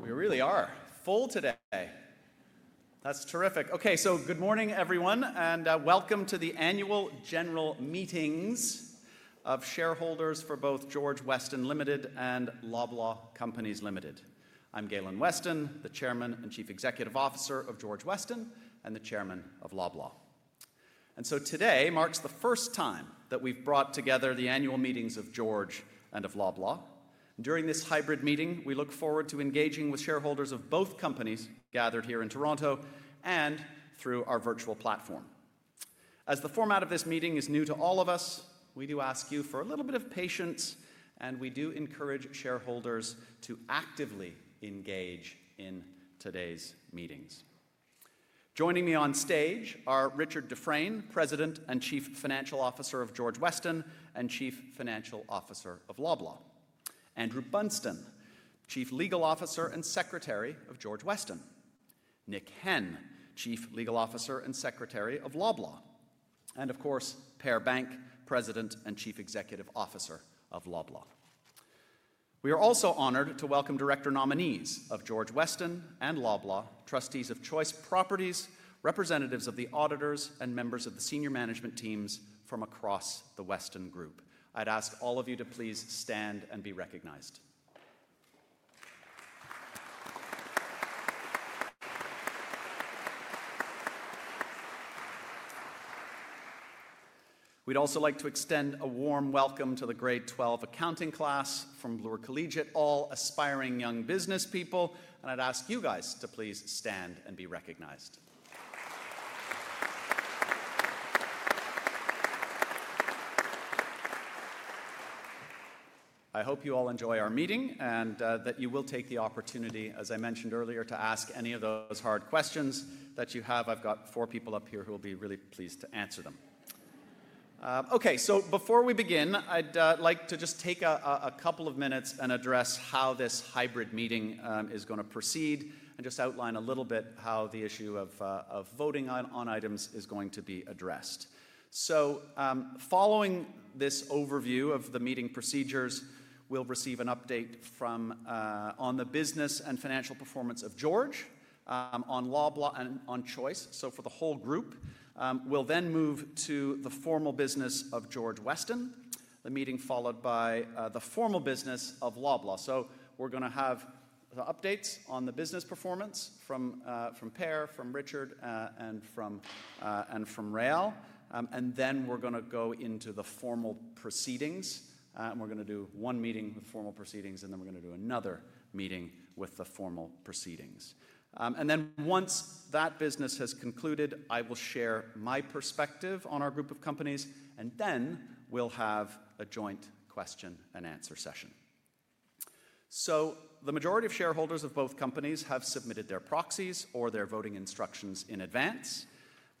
We really are full today. That's terrific. Good morning, everyone, and welcome to the annual general meetings of shareholders for both George Weston Limited and Loblaw Companies Limited. I'm Galen Weston, the Chairman and Chief Executive Officer of George Weston and the Chairman of Loblaw. Today marks the first time that we've brought together the annual meetings of George and of Loblaw. During this hybrid meeting, we look forward to engaging with shareholders of both companies gathered here in Toronto and through our virtual platform. As the format of this meeting is new to all of us, we do ask you for a little bit of patience, and we do encourage shareholders to actively engage in today's meetings. Joining me on stage are Richard Dufresne, President and Chief Financial Officer of George Weston and Chief Financial Officer of Loblaw; Andrew Bunston, Chief Legal Officer and Secretary of George Weston; Nick Henn, Chief Legal Officer and Secretary of Loblaw; and of course, Per Bank, President and Chief Executive Officer of Loblaw. We are also honored to welcome Director Nominees of George Weston and Loblaw, Trustees of Choice Properties, representatives of the auditors, and members of the senior management teams from across the Weston Group. I'd ask all of you to please stand and be recognized. We'd also like to extend a warm welcome to the Grade 12 Accounting class from Bloor Collegiate, all aspiring young business people, and I'd ask you guys to please stand and be recognized. I hope you all enjoy our meeting and that you will take the opportunity, as I mentioned earlier, to ask any of those hard questions that you have. I've got four people up here who will be really pleased to answer them. Okay, before we begin, I'd like to just take a couple of minutes and address how this hybrid meeting is going to proceed and just outline a little bit how the issue of voting on items is going to be addressed. Following this overview of the meeting procedures, we'll receive an update on the business and financial performance of George, on Loblaw, and on Choice, for the whole group. We'll then move to the formal business of George Weston, the meeting followed by the formal business of Loblaw. We're going to have the updates on the business performance from Per, from Richard, and from Rael, and then we're going to go into the formal proceedings. We're going to do one meeting with formal proceedings, and then we're going to do another meeting with the formal proceedings. Once that business has concluded, I will share my perspective on our group of companies, and then we'll have a joint question and answer session. The majority of shareholders of both companies have submitted their proxies or their voting instructions in advance.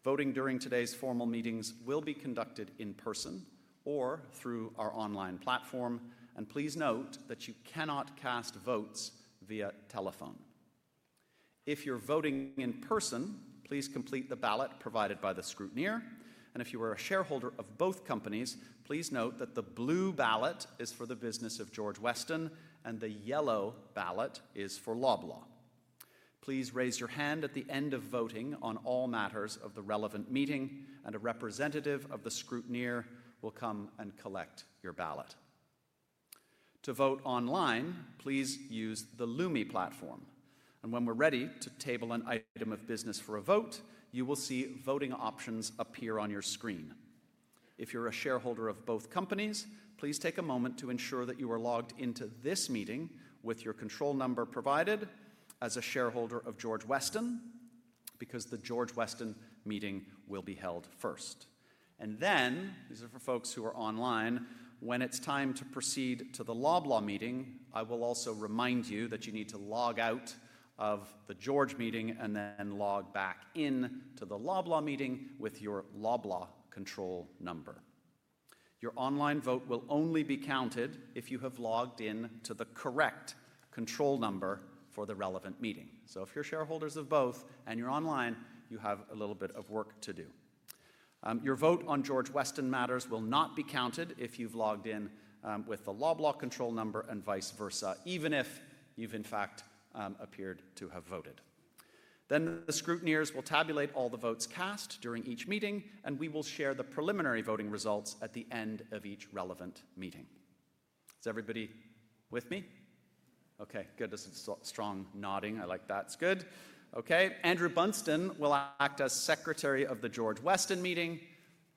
Voting during today's formal meetings will be conducted in person or through our online platform, and please note that you cannot cast votes via telephone. If you're voting in person, please complete the ballot provided by the scrutineer, and if you are a shareholder of both companies, please note that the blue ballot is for the business of George Weston and the yellow ballot is for Loblaw. Please raise your hand at the end of voting on all matters of the relevant meeting, and a representative of the scrutineer will come and collect your ballot. To vote online, please use the Lumi platform, and when we're ready to table an item of business for a vote, you will see voting options appear on your screen. If you're a shareholder of both companies, please take a moment to ensure that you are logged into this meeting with your control number provided as a shareholder of George Weston, because the George Weston meeting will be held first. These are for folks who are online, when it's time to proceed to the Loblaw meeting, I will also remind you that you need to log out of the George meeting and then log back in to the Loblaw meeting with your Loblaw control number. Your online vote will only be counted if you have logged in to the correct control number for the relevant meeting. If you're shareholders of both and you're online, you have a little bit of work to do. Your vote on George Weston matters will not be counted if you've logged in with the Loblaw control number and vice versa, even if you've in fact appeared to have voted. The scrutineers will tabulate all the votes cast during each meeting, and we will share the preliminary voting results at the end of each relevant meeting. Is everybody with me? Okay, good, there's a strong nodding. I like that, that's good. Okay, Andrew Bunston will act as Secretary of the George Weston meeting,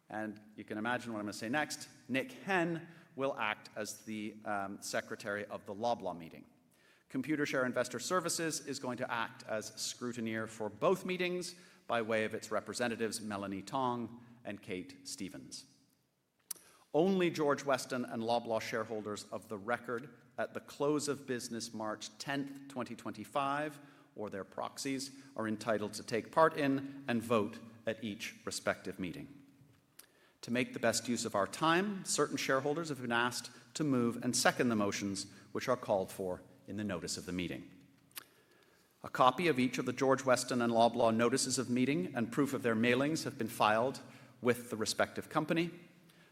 and you can imagine what I'm going to say next. Nick Henn will act as the Secretary of the Loblaw meeting. Computershare Investor Services is going to act as scrutineer for both meetings by way of its representatives, Melanie Tong and Kate Stevens. Only George Weston and Loblaw shareholders of record at the close of business 10 March 2025, or their proxies are entitled to take part in and vote at each respective meeting. To make the best use of our time, certain shareholders have been asked to move and second the motions which are called for in the notice of the meeting. A copy of each of the George Weston and Loblaw notices of meeting and proof of their mailings have been filed with the respective company.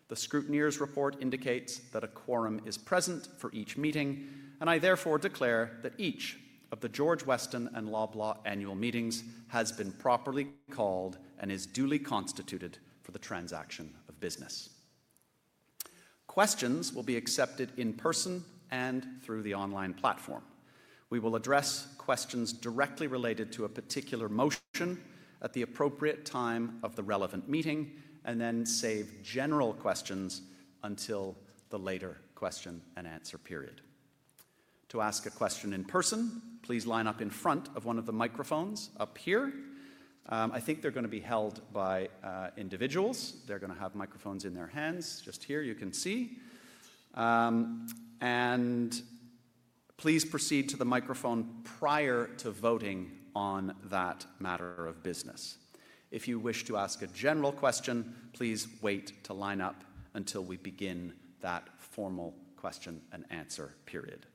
The scrutineer's report indicates that a quorum is present for each meeting, and I therefore declare that each of the George Weston and Loblaw annual meetings has been properly called and is duly constituted for the transaction of business. Questions will be accepted in person and through the online platform. We will address questions directly related to a particular motion at the appropriate time of the relevant meeting and then save general questions until the later question and answer period. To ask a question in person, please line up in front of one of the microphones up here. I think they're going to be held by individuals. They're going to have microphones in their hands just here, you can see. Please proceed to the microphone prior to voting on that matter of business. If you wish to ask a general question, please wait to line up until we begin that formal question and answer period.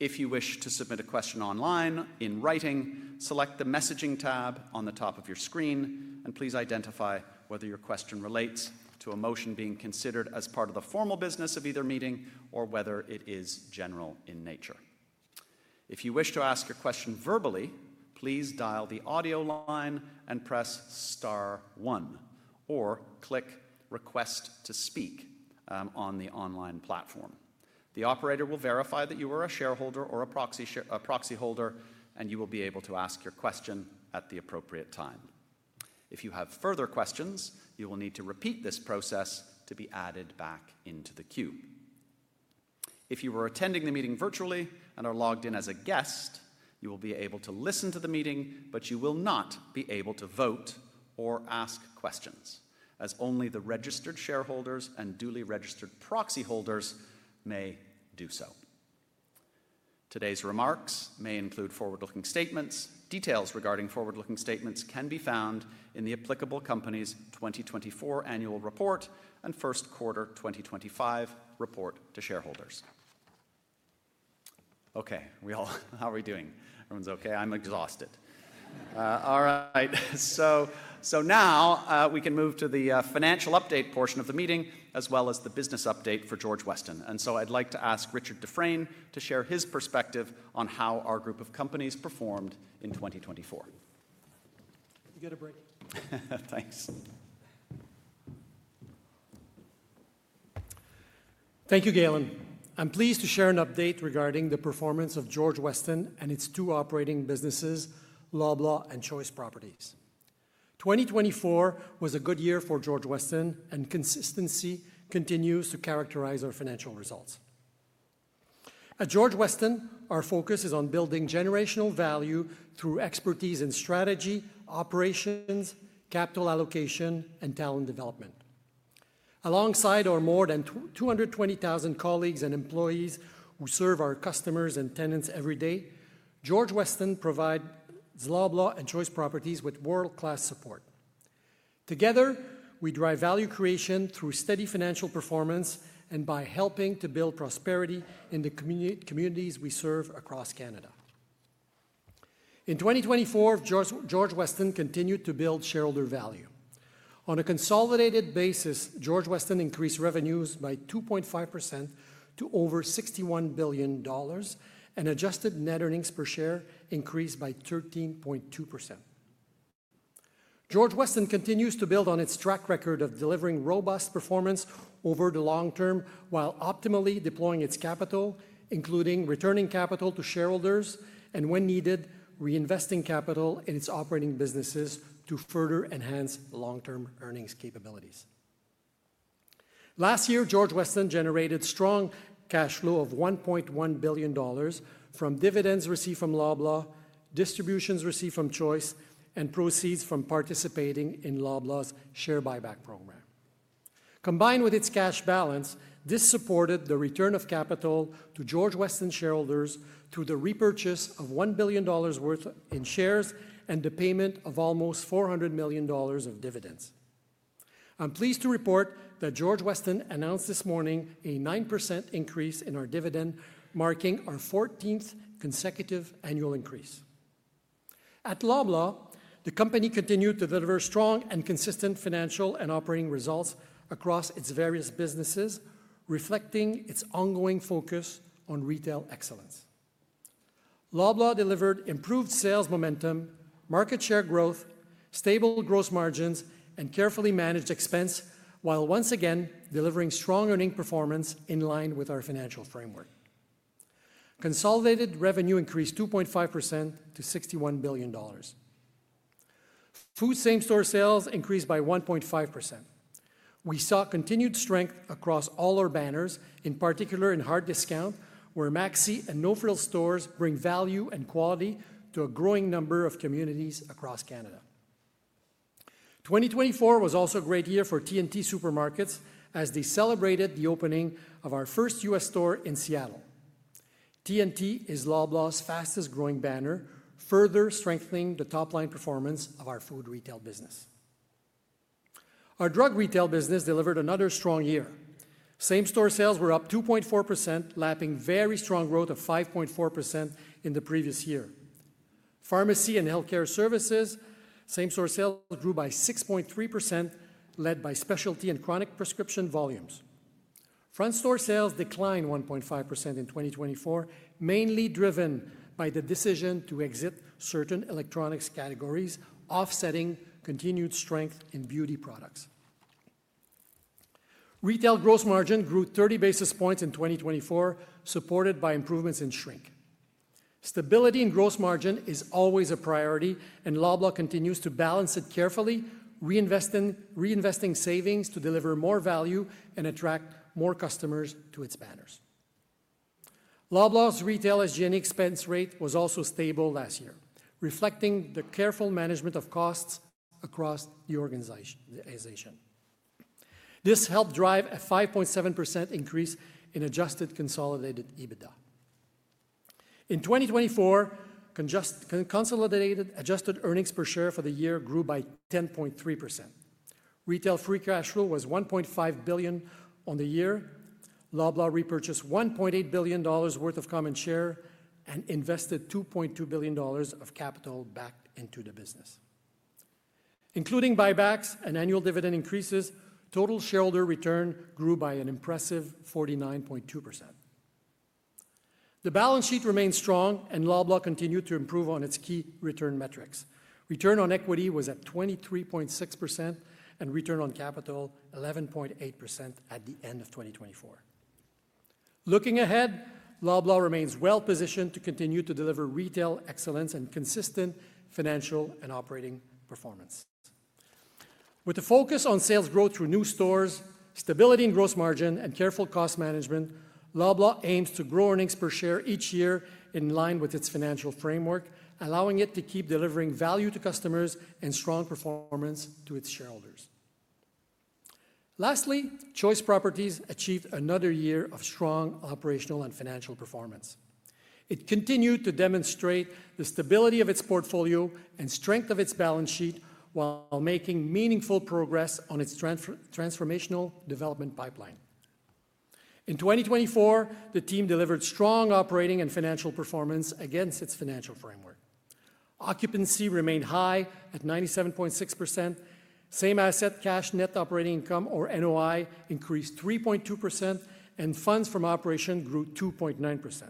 If you wish to submit a question online in writing, select the messaging tab on the top of your screen and please identify whether your question relates to a motion being considered as part of the formal business of either meeting or whether it is general in nature. If you wish to ask a question verbally, please dial the audio line and press star one or click request to speak on the online platform. The operator will verify that you are a shareholder or a proxy holder, and you will be able to ask your question at the appropriate time. If you have further questions, you will need to repeat this process to be added back into the queue. If you were attending the meeting virtually and are logged in as a guest, you will be able to listen to the meeting, but you will not be able to vote or ask questions, as only the registered shareholders and duly registered proxy holders may do so. Today's remarks may include forward-looking statements. Details regarding forward-looking statements can be found in the applicable company's 2024 annual report and Q1 2025 report to shareholders. Okay, we all, how are we doing? Everyone's okay? I'm exhausted. All right, now we can move to the financial update portion of the meeting as well as the business update for George Weston. I would like to ask Richard Dufresne to share his perspective on how our group of companies performed in 2024. You get a break. Thanks. Thank you, Galen. I'm pleased to share an update regarding the performance of George Weston and its two operating businesses, Loblaw and Choice Properties. 2024 was a good year for George Weston, and consistency continues to characterize our financial results. At George Weston, our focus is on building generational value through expertise in strategy, operations, capital allocation, and talent development. Alongside our more than 220,000 colleagues and employees who serve our customers and tenants every day, George Weston provides Loblaw and Choice Properties with world-class support. Together, we drive value creation through steady financial performance and by helping to build prosperity in the communities we serve across Canada. In 2024, George Weston continued to build shareholder value. On a consolidated basis, George Weston increased revenues by 2.5% to over 61 billion dollars and adjusted net earnings per share increased by 13.2%. George Weston continues to build on its track record of delivering robust performance over the long term while optimally deploying its capital, including returning capital to shareholders and, when needed, reinvesting capital in its operating businesses to further enhance long-term earnings capabilities. Last year, George Weston generated strong cash flow of 1.1 billion dollars from dividends received from Loblaw, distributions received from Choice, and proceeds from participating in Loblaw's share buyback program. Combined with its cash balance, this supported the return of capital to George Weston shareholders through the repurchase of 1 billion dollars worth in shares and the payment of almost 400 million dollars of dividends. I'm pleased to report that George Weston announced this morning a 9% increase in our dividend, marking our 14th consecutive annual increase. At Loblaw, the company continued to deliver strong and consistent financial and operating results across its various businesses, reflecting its ongoing focus on retail excellence. Loblaw delivered improved sales momentum, market share growth, stable gross margins, and carefully managed expense while once again delivering strong earning performance in line with our financial framework. Consolidated revenue increased 2.5% to 61 billion dollars. Food same-store sales increased by 1.5%. We saw continued strength across all our banners, in particular in hard discount, where Maxi and No Frills stores bring value and quality to a growing number of communities across Canada. 2024 was also a great year for T&T Supermarkets as they celebrated the opening of our first US store in Seattle. T&T is Loblaw's fastest-growing banner, further strengthening the top-line performance of our food retail business. Our drug retail business delivered another strong year. Same-store sales were up 2.4%, lapping very strong growth of 5.4% in the previous year. Pharmacy and healthcare services, same-store sales grew by 6.3%, led by specialty and chronic prescription volumes. Front-store sales declined 1.5% in 2024, mainly driven by the decision to exit certain electronics categories, offsetting continued strength in beauty products. Retail gross margin grew 30 basis points in 2024, supported by improvements in shrink. Stability in gross margin is always a priority, and Loblaw continues to balance it carefully, reinvesting savings to deliver more value and attract more customers to its banners. Loblaw's retail hygienic expense rate was also stable last year, reflecting the careful management of costs across the organization. This helped drive a 5.7% increase in adjusted consolidated EBITDA. In 2024, consolidated adjusted earnings per share for the year grew by 10.3%. Retail free cash flow was 1.5 billion on the year. Loblaw repurchased 1.8 billion dollars worth of common share and invested 2.2 billion dollars of capital back into the business. Including buybacks and annual dividend increases, total shareholder return grew by an impressive 49.2%. The balance sheet remained strong, and Loblaw continued to improve on its key return metrics. Return on equity was at 23.6% and return on capital 11.8% at the end of 2024. Looking ahead, Loblaw remains well-positioned to continue to deliver retail excellence and consistent financial and operating performance. With a focus on sales growth through new stores, stability in gross margin, and careful cost management, Loblaw aims to grow earnings per share each year in line with its financial framework, allowing it to keep delivering value to customers and strong performance to its shareholders. Lastly, Choice Properties achieved another year of strong operational and financial performance. It continued to demonstrate the stability of its portfolio and strength of its balance sheet while making meaningful progress on its transformational development pipeline. In 2024, the team delivered strong operating and financial performance against its financial framework. Occupancy remained high at 97.6%. Same-asset cash net operating income, or NOI, increased 3.2%, and funds from operation grew 2.9%.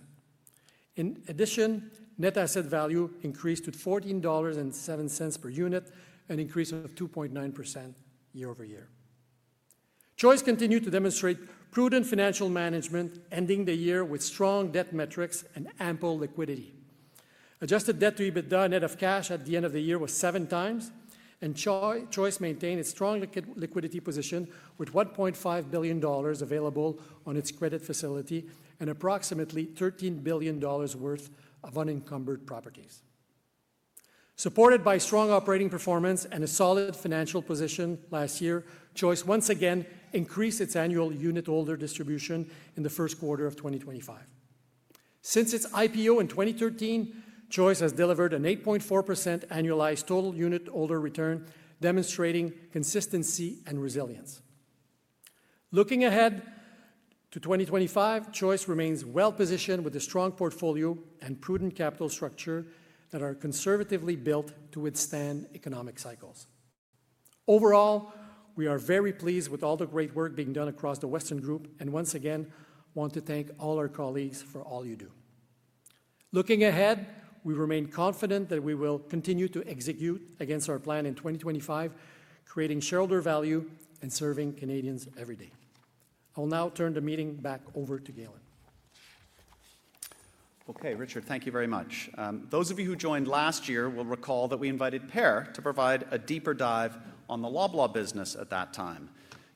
In addition, net asset value increased to 14.07 dollars per unit, an increase of 2.9% year over year. Choice continued to demonstrate prudent financial management, ending the year with strong debt metrics and ample liquidity. Adjusted debt to EBITDA net of cash at the end of the year was seven times, and Choice maintained its strong liquidity position with 1.5 billion dollars available on its credit facility and approximately 13 billion dollars worth of unencumbered properties. Supported by strong operating performance and a solid financial position last year, Choice once again increased its annual unit holder distribution in the Q1 of 2025. Since its IPO in 2013, Choice has delivered an 8.4% annualized total unit holder return, demonstrating consistency and resilience. Looking ahead to 2025, Choice remains well-positioned with a strong portfolio and prudent capital structure that are conservatively built to withstand economic cycles. Overall, we are very pleased with all the great work being done across the Weston Group and once again want to thank all our colleagues for all you do. Looking ahead, we remain confident that we will continue to execute against our plan in 2025, creating shareholder value and serving Canadians every day. I'll now turn the meeting back over to Galen. Okay, Richard, thank you very much. Those of you who joined last year will recall that we invited Per to provide a deeper dive on the Loblaw business at that time.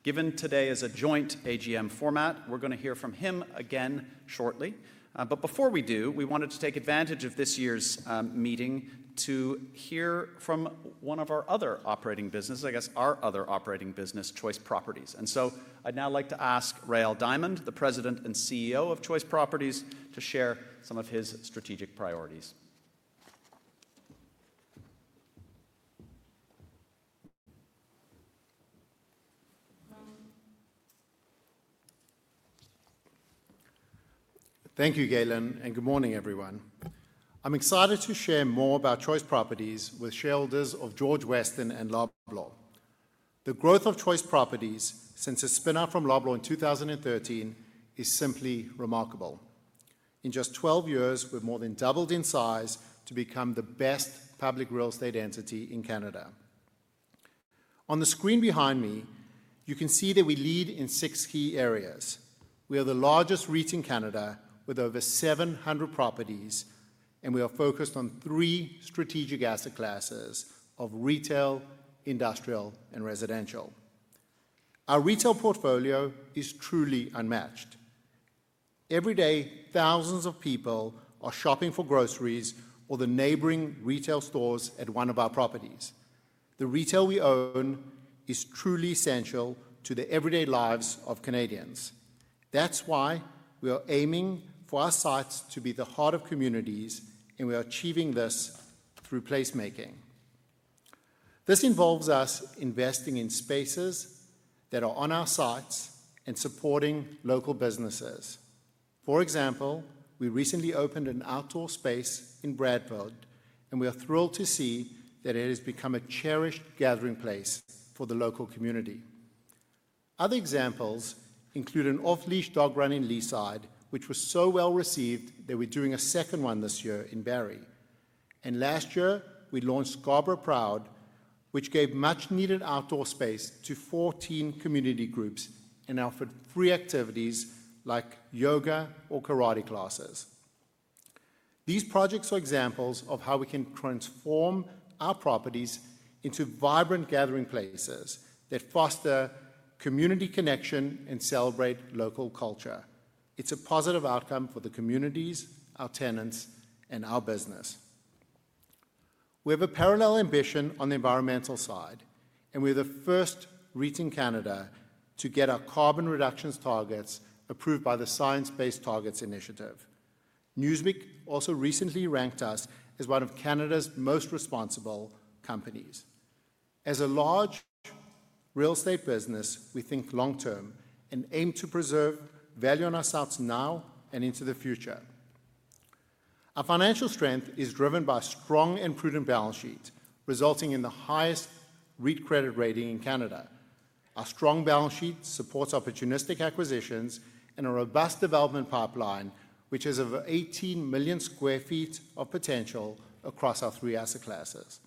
Given today is a joint AGM format, we're going to hear from him again shortly. Before we do, we wanted to take advantage of this year's meeting to hear from one of our other operating businesses, I guess our other operating business, Choice Properties. I would now like to ask Rael Diamond, the President and CEO of Choice Properties, to share some of his strategic priorities. Thank you, Galen, and good morning, everyone. I'm excited to share more about Choice Properties with shareholders of George Weston and Loblaw. The growth of Choice Properties since a spin-off from Loblaw in 2013 is simply remarkable. In just 12 years, we've more than doubled in size to become the best public real estate entity in Canada. On the screen behind me, you can see that we lead in six key areas. We are the largest REIT in Canada with over 700 properties, and we are focused on three strategic asset classes of retail, industrial, and residential. Our retail portfolio is truly unmatched. Every day, thousands of people are shopping for groceries or the neighboring retail stores at one of our properties. The retail we own is truly essential to the everyday lives of Canadians. That's why we are aiming for our sites to be the heart of communities, and we are achieving this through placemaking. This involves us investing in spaces that are on our sites and supporting local businesses. For example, we recently opened an outdoor space in Bradford, and we are thrilled to see that it has become a cherished gathering place for the local community. Other examples include an off-leash dog run in Leaside, which was so well received that we're doing a second one this year in Barrie. Last year, we launched Scarborough Proud, which gave much-needed outdoor space to 14 community groups and offered free activities like yoga or karate classes. These projects are examples of how we can transform our properties into vibrant gathering places that foster community connection and celebrate local culture. It's a positive outcome for the communities, our tenants, and our business. We have a parallel ambition on the environmental side, and we're the first REIT in Canada to get our carbon reduction targets approved by the Science-Based Targets Initiative. Newsweek also recently ranked us as one of Canada's most responsible companies. As a large real estate business, we think long-term and aim to preserve value on our sites now and into the future. Our financial strength is driven by a strong and prudent balance sheet, resulting in the highest REIT credit rating in Canada. Our strong balance sheet supports opportunistic acquisitions and a robust development pipeline, which has over 18 million sq ft of potential across our three asset classes.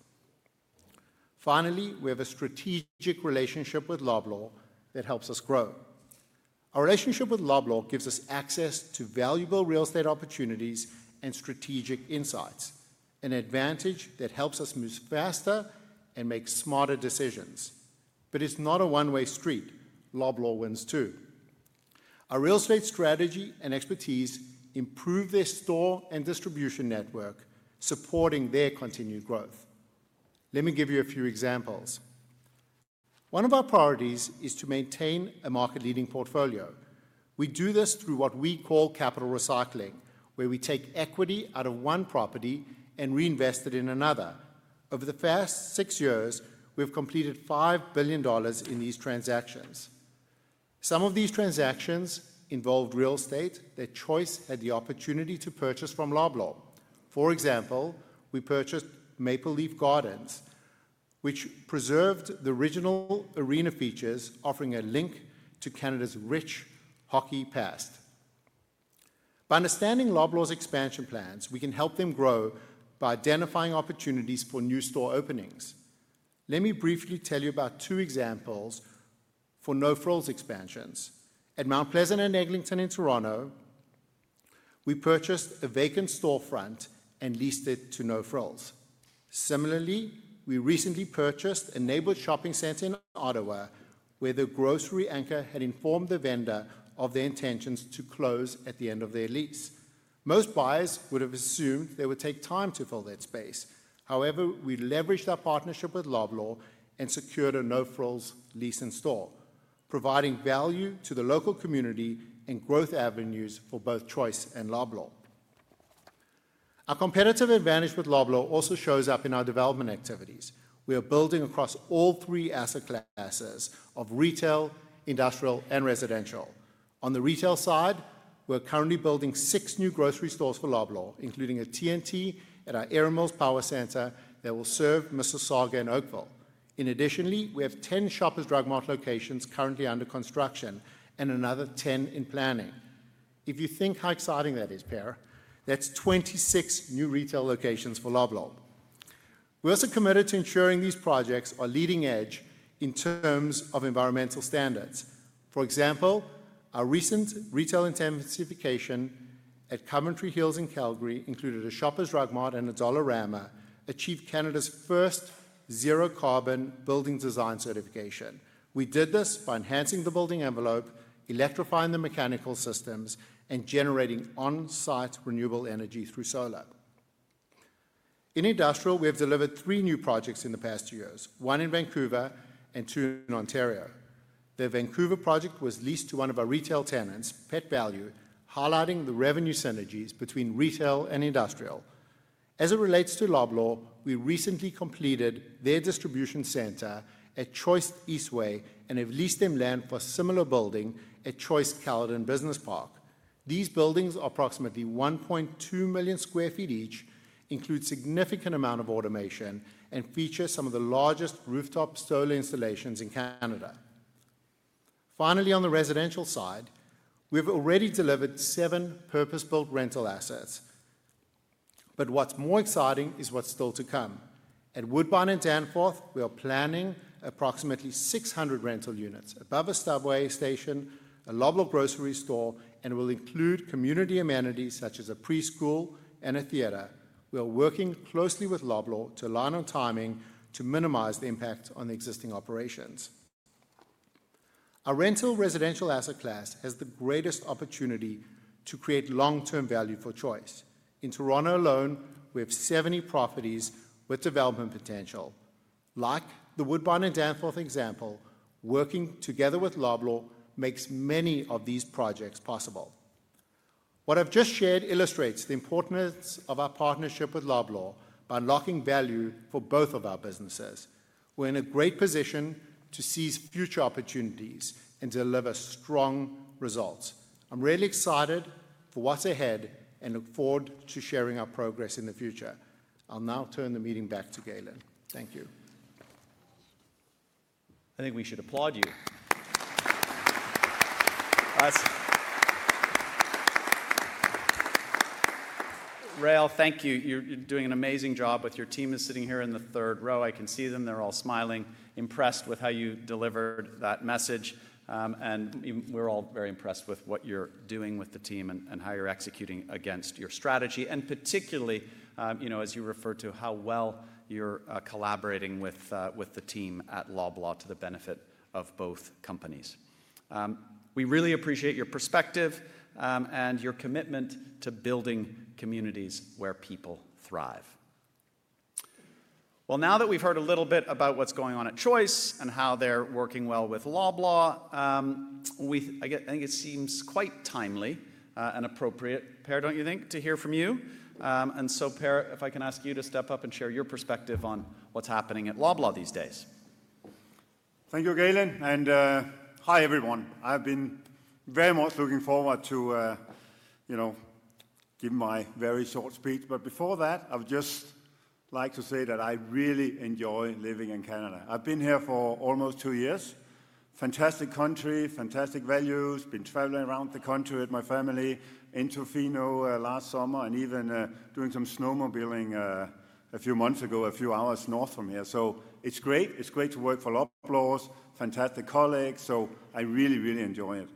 Finally, we have a strategic relationship with Loblaw that helps us grow. Our relationship with Loblaw gives us access to valuable real estate opportunities and strategic insights, an advantage that helps us move faster and make smarter decisions. It is not a one-way street. Loblaw wins too. Our real estate strategy and expertise improve their store and distribution network, supporting their continued growth. Let me give you a few examples. One of our priorities is to maintain a market-leading portfolio. We do this through what we call capital recycling, where we take equity out of one property and reinvest it in another. Over the past six years, we have completed 5 billion dollars in these transactions. Some of these transactions involved real estate that Choice had the opportunity to purchase from Loblaw. For example, we purchased Maple Leaf Gardens, which preserved the original arena features, offering a link to Canada's rich hockey past. By understanding Loblaw's expansion plans, we can help them grow by identifying opportunities for new store openings. Let me briefly tell you about two examples for No Frills expansions. At Mount Pleasant and Eglinton in Toronto, we purchased a vacant storefront and leased it to No Frills. Similarly, we recently purchased a neighborhood shopping center in Ottawa, where the grocery anchor had informed the vendor of their intentions to close at the end of their lease. Most buyers would have assumed they would take time to fill that space. However, we leveraged our partnership with Loblaw and secured a No Frills lease and store, providing value to the local community and growth avenues for both Choice and Loblaw. Our competitive advantage with Loblaw also shows up in our development activities. We are building across all three asset classes of retail, industrial, and residential. On the retail side, we're currently building six new grocery stores for Loblaw, including a T&T at our Erin Mills Power Center that will serve Mississauga in Oakville. In addition, we have 10 Shoppers Drug Mart locations currently under construction and another 10 in planning. If you think how exciting that is, Per, that's 26 new retail locations for Loblaw. We're also committed to ensuring these projects are leading edge in terms of environmental standards. For example, our recent retail intensification at Coventry Hills in Calgary included a Shoppers Drug Mart and a Dollarama, achieved Canada's first zero-carbon building design certification. We did this by enhancing the building envelope, electrifying the mechanical systems, and generating on-site renewable energy through solar. In industrial, we have delivered three new projects in the past years, one in Vancouver and two in Ontario. The Vancouver project was leased to one of our retail tenants, Pet Valu, highlighting the revenue synergies between retail and industrial. As it relates to Loblaw, we recently completed their distribution center at Choice Eastway and have leased them land for a similar building at Choice Caledon Business Park. These buildings, approximately 1.2 million sq ft each, include a significant amount of automation and feature some of the largest rooftop solar installations in Canada. Finally, on the residential side, we have already delivered seven purpose-built rental assets. What is more exciting is what is still to come. At Woodbine & Danforth, we are planning approximately 600 rental units above a subway station, a Loblaw grocery store, and will include community amenities such as a preschool and a theater. We are working closely with Loblaw to align on timing to minimize the impact on the existing operations. Our rental residential asset class has the greatest opportunity to create long-term value for Choice. In Toronto alone, we have 70 properties with development potential. Like the Woodbine & Danforth example, working together with Loblaw makes many of these projects possible. What I've just shared illustrates the importance of our partnership with Loblaw by unlocking value for both of our businesses. We're in a great position to seize future opportunities and deliver strong results. I'm really excited for what's ahead and look forward to sharing our progress in the future. I'll now turn the meeting back to Galen. Thank you. I think we should applaud you. Rael, thank you. You're doing an amazing job. With your team sitting here in the third row, I can see them. They're all smiling, impressed with how you delivered that message. We are all very impressed with what you're doing with the team and how you're executing against your strategy. Particularly, you know, as you refer to how well you're collaborating with the team at Loblaw to the benefit of both companies. We really appreciate your perspective and your commitment to building communities where people thrive. Now that we've heard a little bit about what's going on at Choice and how they're working well with Loblaw, I think it seems quite timely and appropriate, Per, don't you think, to hear from you? Per, if I can ask you to step up and share your perspective on what's happening at Loblaw these days. Thank you, Galen. Hi, everyone. I've been very much looking forward to, you know, giving my very short speech. Before that, I would just like to say that I really enjoy living in Canada. I've been here for almost two years. Fantastic country, fantastic values. Been traveling around the country with my family, in Tofino last summer, and even doing some snowmobiling a few months ago, a few hours north from here. It's great. It's great to work for Loblaw, fantastic colleagues. I really, really enjoy it.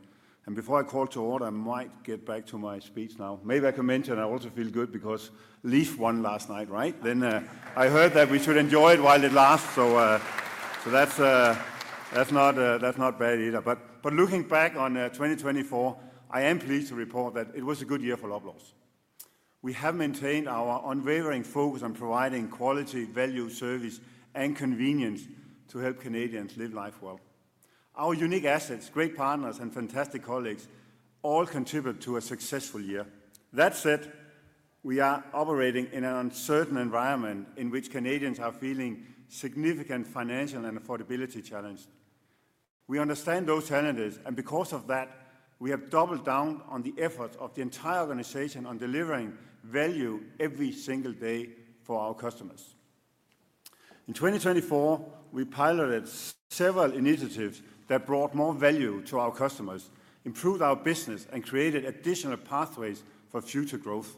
Before I call to order, I might get back to my speech now. Maybe I can mention I also feel good because Leafs won last night, right? I heard that we should enjoy it while it lasts. That's not bad either. Looking back on 2024, I am pleased to report that it was a good year for Loblaw. We have maintained our unwavering focus on providing quality, value, service, and convenience to help Canadians live life well. Our unique assets, great partners, and fantastic colleagues all contribute to a successful year. That said, we are operating in an uncertain environment in which Canadians are feeling significant financial and affordability challenges. We understand those challenges, and because of that, we have doubled down on the efforts of the entire organization on delivering value every single day for our customers. In 2024, we piloted several initiatives that brought more value to our customers, improved our business, and created additional pathways for future growth,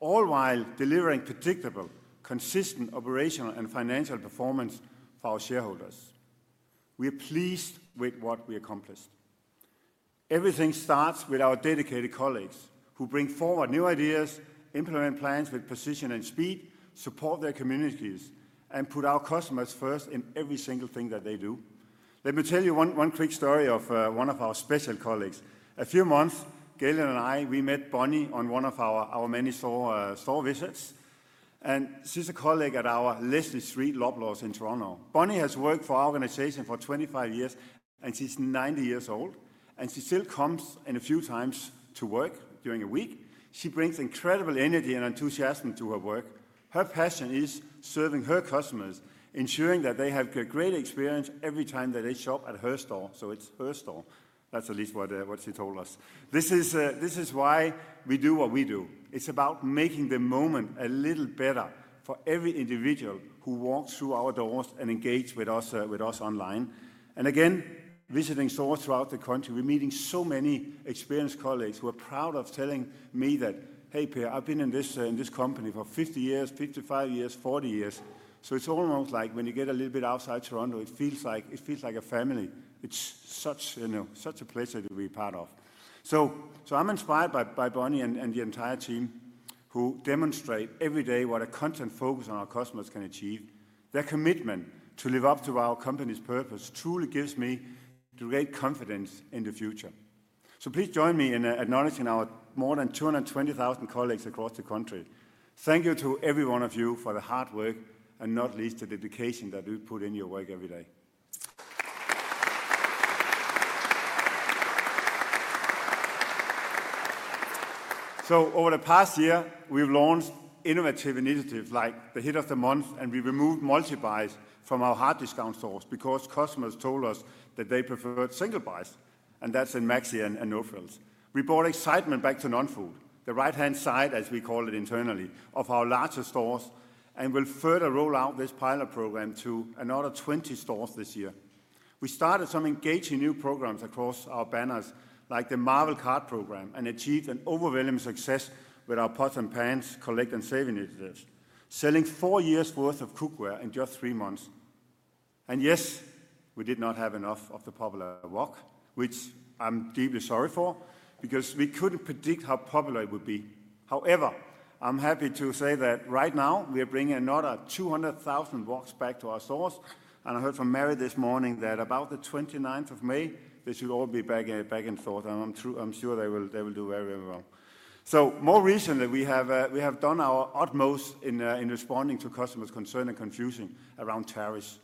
all while delivering predictable, consistent operational and financial performance for our shareholders. We are pleased with what we accomplished. Everything starts with our dedicated colleagues who bring forward new ideas, implement plans with precision and speed, support their communities, and put our customers first in every single thing that they do. Let me tell you one quick story of one of our special colleagues. A few months ago, Galen and I, we met Bonnie on one of our many store visits, and she's a colleague at our Leslie St Loblaws in Toronto. Bonnie has worked for our organization for 25 years, and she's 90 years old, and she still comes in a few times to work during a week. She brings incredible energy and enthusiasm to her work. Her passion is serving her customers, ensuring that they have a great experience every time that they shop at her store. It is her store. That's at least what she told us. This is why we do what we do. It's about making the moment a little better for every individual who walks through our doors and engages with us online. Visiting stores throughout the country, we're meeting so many experienced colleagues who are proud of telling me that, "Hey, Per, I've been in this company for 50 years, 55 years, 40 years." It's almost like when you get a little bit outside Toronto, it feels like a family. It's such a pleasure to be part of. I'm inspired by Bonnie and the entire team who demonstrate every day what a constant focus on our customers can achieve. Their commitment to live up to our company's purpose truly gives me great confidence in the future. Please join me in acknowledging our more than 220,000 colleagues across the country. Thank you to every one of you for the hard work and not least the dedication that you put in your work every day. Over the past year, we've launched innovative initiatives like the hit of the month, and we removed multi-buys from our hard discount stores because customers told us that they preferred single buys, and that's in Maxi and No Frills. We brought excitement back to non-food, the right-hand side, as we call it internally, of our larger stores, and will further roll out this pilot program to another 20 stores this year. We started some engaging new programs across our banners, like the Marvel Card Program, and achieved an overwhelming success with our Pot and Pans collect and save initiatives, selling four years' worth of cookware in just three months. Yes, we did not have enough of the popular wok, which I'm deeply sorry for because we couldn't predict how popular it would be. However, I'm happy to say that right now we are bringing another 200,000 woks back to our stores. I heard from Mary this morning that about the 29 May, they should all be back in stores, and I'm sure they will do very, very well. More recently, we have done our utmost in responding to customers' concerns and confusion around tariffs.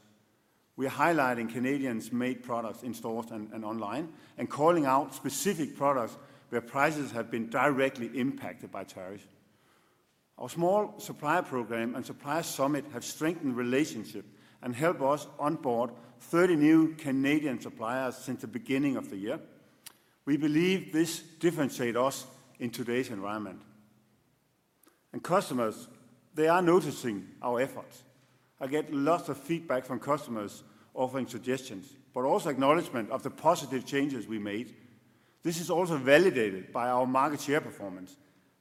We are highlighting Canadian-made products in stores and online and calling out specific products where prices have been directly impacted by tariffs. Our small supplier program and supplier summit have strengthened relationships and helped us onboard 30 new Canadian suppliers since the beginning of the year. We believe this differentiates us in today's environment. Customers are noticing our efforts. I get lots of feedback from customers offering suggestions, but also acknowledgement of the positive changes we made. This is also validated by our market share performance.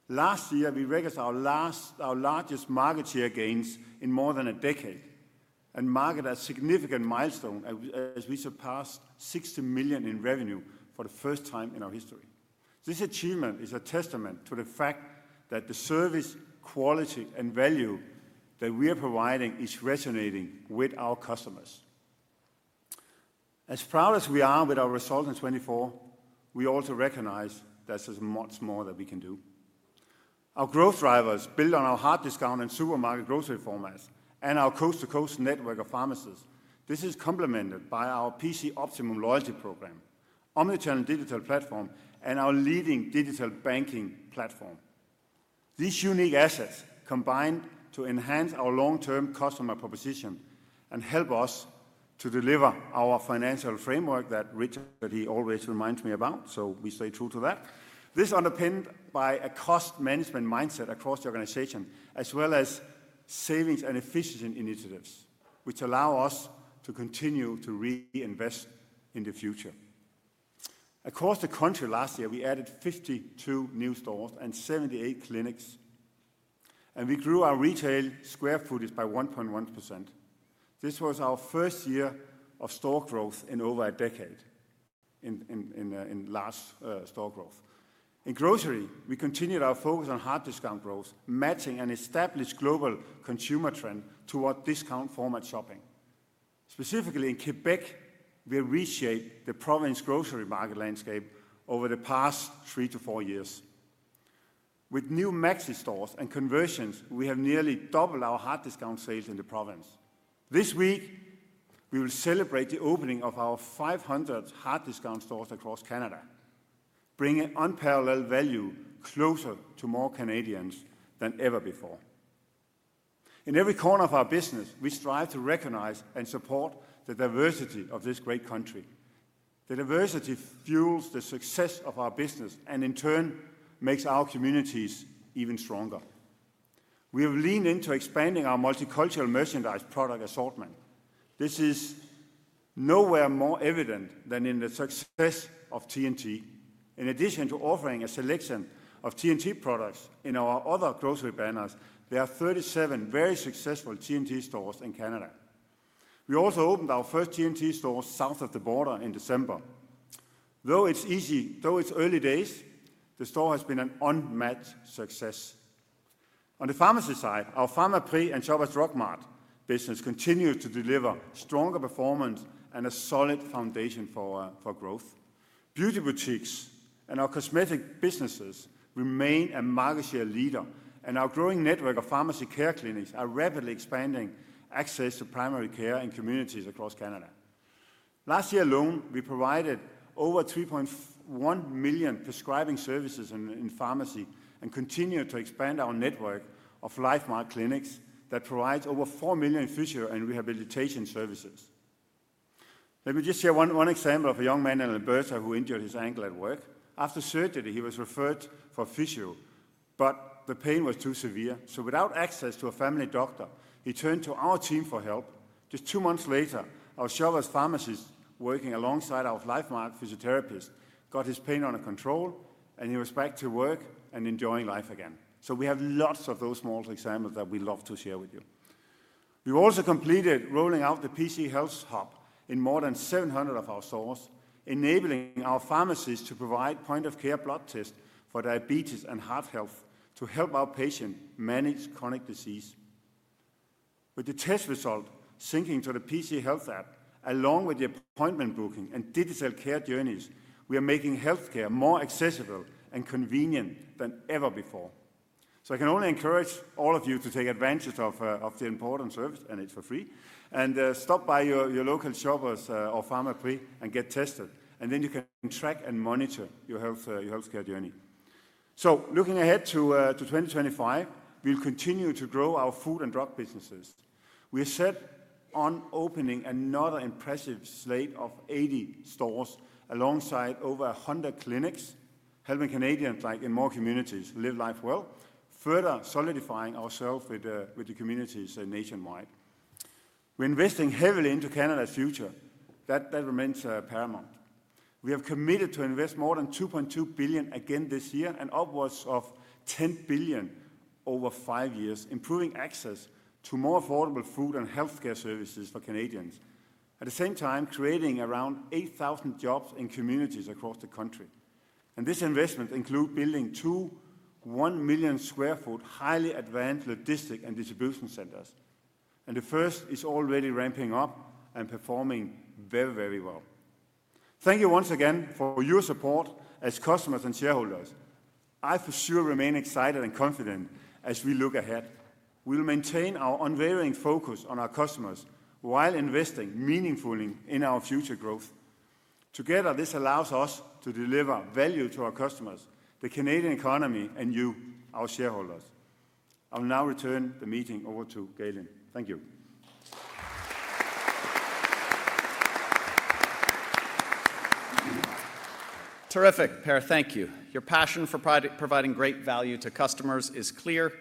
Last year, we recorded our largest market share gains in more than a decade and marked a significant milestone as we surpassed 60 million in revenue for the first time in our history. This achievement is a testament to the fact that the service, quality, and value that we are providing is resonating with our customers. As proud as we are with our results in 2024, we also recognize that there is much more that we can do. Our growth drivers build on our hard discount and supermarket grocery formats and our coast-to-coast network of pharmacists. This is complemented by our PC Optimum Loyalty Program, Omnichannel Digital Platform, and our leading digital banking platform. These unique assets combine to enhance our long-term customer proposition and help us to deliver our financial framework that Richard always reminds me about, so we stay true to that. This is underpinned by a cost management mindset across the organization, as well as savings and efficiency initiatives, which allow us to continue to reinvest in the future. Across the country last year, we added 52 new stores and 78 clinics, and we grew our retail square footage by 1.1%. This was our first year of store growth in over a decade in large store growth. In grocery, we continued our focus on hard discount growth, matching an established global consumer trend toward discount format shopping. Specifically in Quebec, we reshaped the province grocery market landscape over the past three to four years. With new Maxi stores and conversions, we have nearly doubled our hard discount sales in the province. This week, we will celebrate the opening of our 500 hard discount stores across Canada, bringing unparalleled value closer to more Canadians than ever before. In every corner of our business, we strive to recognize and support the diversity of this great country. The diversity fuels the success of our business and, in turn, makes our communities even stronger. We have leaned into expanding our multicultural merchandise product assortment. This is nowhere more evident than in the success of T&T. In addition to offering a selection of T&T products in our other grocery banners, there are 37 very successful T&T stores in Canada. We also opened our first T&T store south of the border in December. Though it's early days, the store has been an unmatched success. On the pharmacy side, our Pharmaprix and Shoppers Drug Mart business continues to deliver stronger performance and a solid foundation for growth. Beauty boutiques and our cosmetic businesses remain a market share leader, and our growing network of pharmacy care clinics are rapidly expanding access to primary care in communities across Canada. Last year alone, we provided over 3.1 million prescribing services in pharmacy and continue to expand our network of Lifemark clinics that provide over 4 million physio and rehabilitation services. Let me just share one example of a young man in Alberta who injured his ankle at work. After surgery, he was referred for physio, but the pain was too severe. Without access to a family doctor, he turned to our team for help. Just two months later, our Shoppers pharmacist working alongside our Lifemark physiotherapist got his pain under control, and he was back to work and enjoying life again. We have lots of those small examples that we love to share with you. We've also completed rolling out the PC Health Hub in more than 700 of our stores, enabling our pharmacists to provide point-of-care blood tests for diabetes and heart health to help our patients manage chronic disease. With the test result syncing to the PC Health app, along with the appointment booking and digital care journeys, we are making healthcare more accessible and convenient than ever before. I can only encourage all of you to take advantage of the important service, and it's for free, and stop by your local Shoppers or Pharmaprix and get tested. You can track and monitor your healthcare journey. Looking ahead to 2025, we'll continue to grow our food and drug businesses. We are set on opening another impressive slate of 80 stores alongside over 100 clinics, helping Canadians like in more communities live life well, further solidifying ourselves with the communities nationwide. We are investing heavily into Canada's future. That remains paramount. We have committed to invest more than 2.2 billion again this year and upwards of 10 billion over five years, improving access to more affordable food and healthcare services for Canadians, at the same time creating around 8,000 jobs in communities across the country. This investment includes building two 1 million sq ft highly advanced logistic and distribution centers. The first is already ramping up and performing very, very well. Thank you once again for your support as customers and shareholders. I for sure remain excited and confident as we look ahead. We will maintain our unwavering focus on our customers while investing meaningfully in our future growth. Together, this allows us to deliver value to our customers, the Canadian economy, and you, our shareholders. I'll now return the meeting over to Galen. Thank you. Terrific, Per. Thank you. Your passion for providing great value to customers is clear.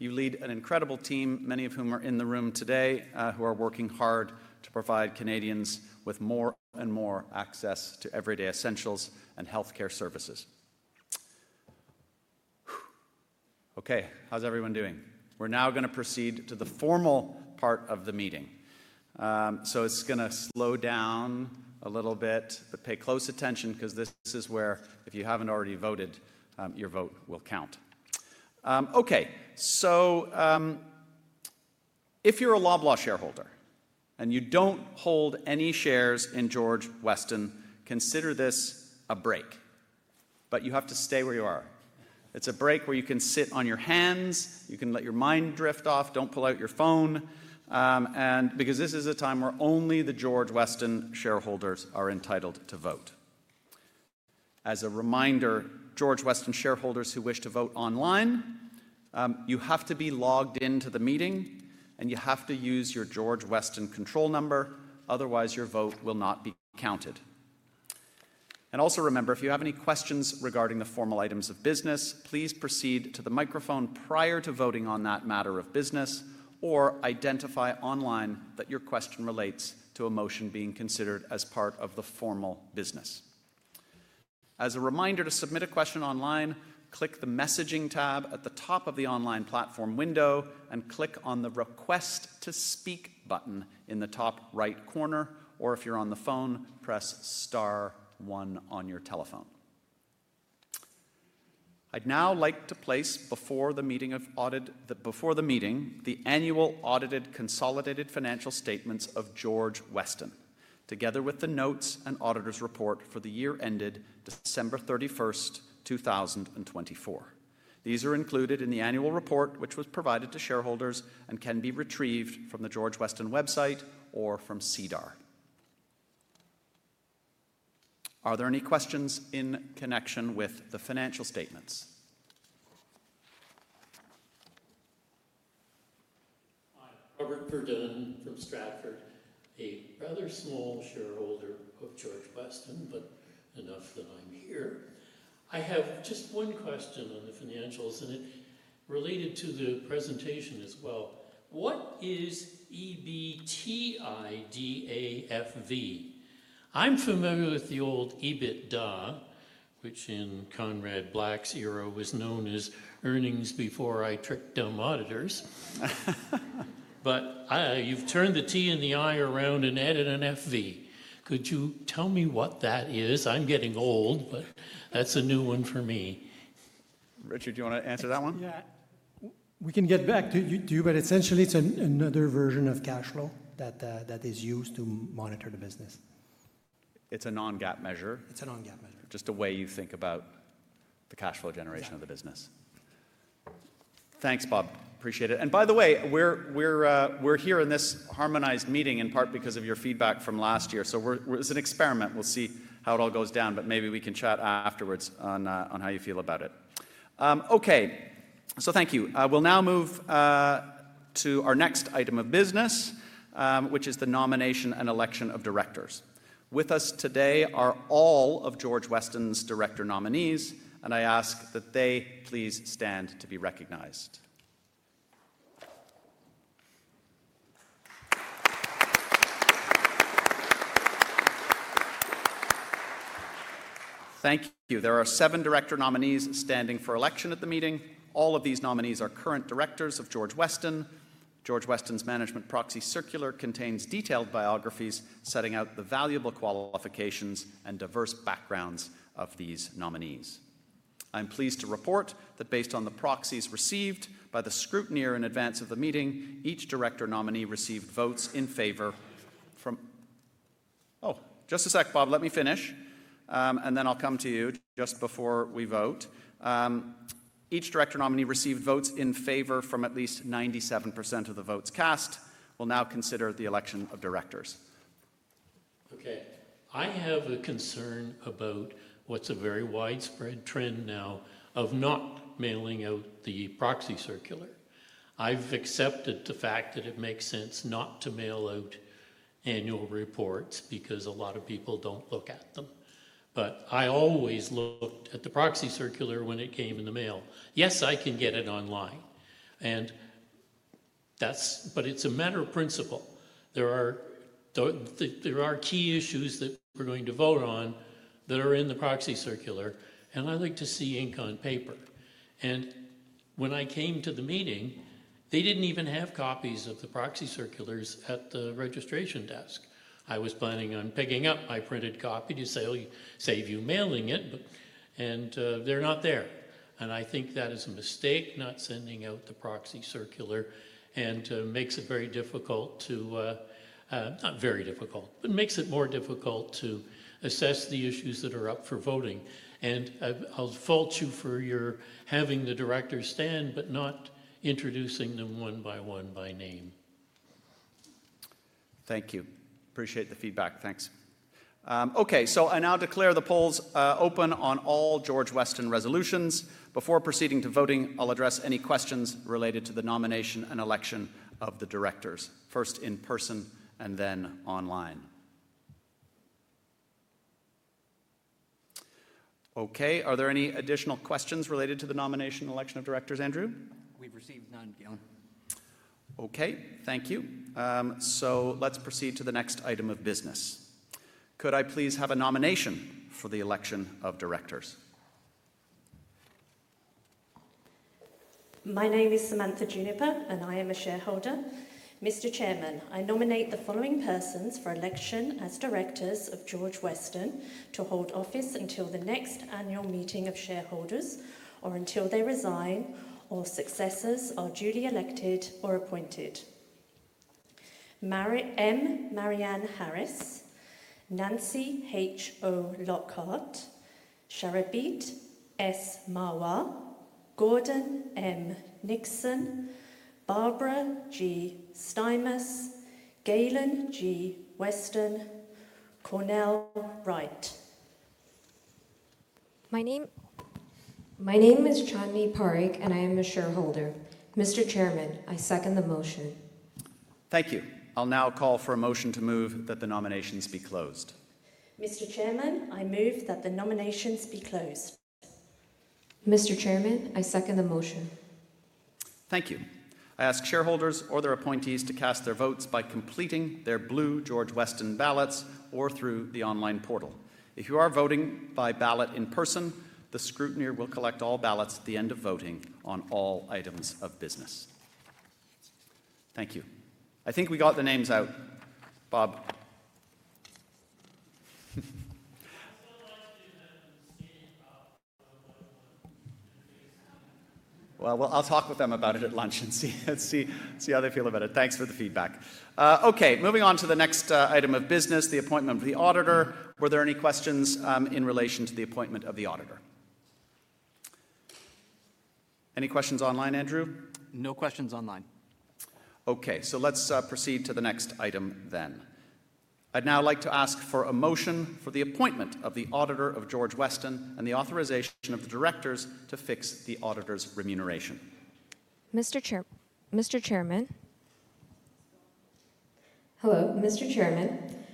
You lead an incredible team, many of whom are in the room today, who are working hard to provide Canadians with more and more access to everyday essentials and healthcare services. Okay, how's everyone doing? We're now going to proceed to the formal part of the meeting. It is going to slow down a little bit, but pay close attention because this is where, if you haven't already voted, your vote will count. Okay, if you're a Loblaw shareholder and you don't hold any shares in George Weston, consider this a break, but you have to stay where you are. It's a break where you can sit on your hands, you can let your mind drift off, don't pull out your phone, because this is a time where only the George Weston shareholders are entitled to vote. As a reminder, George Weston shareholders who wish to vote online, you have to be logged into the meeting and you have to use your George Weston control number, otherwise your vote will not be counted. Also remember, if you have any questions regarding the formal items of business, please proceed to the microphone prior to voting on that matter of business or identify online that your question relates to a motion being considered as part of the formal business. As a reminder, to submit a question online, click the messaging tab at the top of the online platform window and click on the request to speak button in the top right corner, or if you're on the phone, press star one on your telephone. I'd now like to place before the meeting the annual audited consolidated financial statements of George Weston, together with the notes and auditor's report for the year ended 31 December 2024. These are included in the annual report, which was provided to shareholders and can be retrieved from the George Weston website or from CDAR. Are there any questions in connection with the financial statements? Hi, Robert Verdon from Stratford, a rather small shareholder of George Weston, but enough that I'm here. I have just one question on the financials, and it related to the presentation as well. What is EBTIDAFV? I'm familiar with the old EBITDA, which in Conrad Black's era was known as earnings before I tricked dumb auditors, but you've turned the T and the I around and added an FV. Could you tell me what that is? I'm getting old, but that's a new one for me. Richard, do you want to answer that one? Yeah, we can get back to you, but essentially it's another version of cash flow that is used to monitor the business. It's a non-GAAP measure. It's a non-GAAP measure. Just a way you think about the cash flow generation of the business. Thanks, Bob. Appreciate it. By the way, we're here in this harmonized meeting in part because of your feedback from last year. It's an experiment. We'll see how it all goes down, but maybe we can chat afterwards on how you feel about it. Okay, thank you. We'll now move to our next item of business, which is the nomination and election of directors. With us today are all of George Weston's director nominees, and I ask that they please stand to be recognized. Thank you. There are seven director nominees standing for election at the meeting. All of these nominees are current directors of George Weston. George Weston's management proxy circular contains detailed biographies setting out the valuable qualifications and diverse backgrounds of these nominees. I'm pleased to report that based on the proxies received by the scrutineer in advance of the meeting, each director nominee received votes in favor from—oh, just a sec, Bob, let me finish, and then I'll come to you just before we vote. Each director nominee received votes in favor from at least 97% of the votes cast. We'll now consider the election of directors. Okay, I have a concern about what's a very widespread trend now of not mailing out the proxy circular. I've accepted the fact that it makes sense not to mail out annual reports because a lot of people don't look at them, but I always looked at the proxy circular when it came in the mail. Yes, I can get it online, but it's a matter of principle. There are key issues that we're going to vote on that are in the proxy circular, and I like to see ink on paper. When I came to the meeting, they didn't even have copies of the proxy circulars at the registration desk. I was planning on picking up my printed copy to save you mailing it, but they're not there. I think that is a mistake not sending out the proxy circular and makes it very difficult to—not very difficult, but makes it more difficult to assess the issues that are up for voting. I will fault you for having the directors stand, but not introducing them one by one by name. Thank you. Appreciate the feedback. Thanks. Okay, I now declare the polls open on all George Weston resolutions. Before proceeding to voting, I'll address any questions related to the nomination and election of the directors, first in person and then online. Okay, are there any additional questions related to the nomination and election of directors, Andrew? We've received none, Galen. Okay, thank you. Let's proceed to the next item of business. Could I please have a nomination for the election of directors? My name is Samantha Juniper, and I am a shareholder. Mr. Chairman, I nominate the following persons for election as directors of George Weston to hold office until the next annual meeting of shareholders or until they resign or successors are duly elected or appointed: M. Marianne Harris, Nancy H. O. Lockhart, Sarabjit S. Marwah, Gordon M. Nixon, Barbara G. Stymiest, Galen G. Weston, Cornell Wright. My name is Chandni Parikh, and I am a shareholder. Mr. Chairman, I second the motion. Thank you. I'll now call for a motion to move that the nominations be closed. Mr. Chairman, I move that the nominations be closed. Mr. Chairman, I second the motion. Thank you. I ask shareholders or their appointees to cast their votes by completing their blue George Weston ballots or through the online portal. If you are voting by ballot in person, the scrutineer will collect all ballots at the end of voting on all items of business. Thank you. I think we got the names out. Bob. I'll talk with them about it at lunch and see how they feel about it. Thanks for the feedback. Okay, moving on to the next item of business, the appointment of the auditor. Were there any questions in relation to the appointment of the auditor? Any questions online, Andrew? No questions online. Okay, so let's proceed to the next item then. I'd now like to ask for a motion for the appointment of the auditor of George Weston and the authorization of the directors to fix the auditor's remuneration. Mr. Chairman. Hello, Mr. Chairman.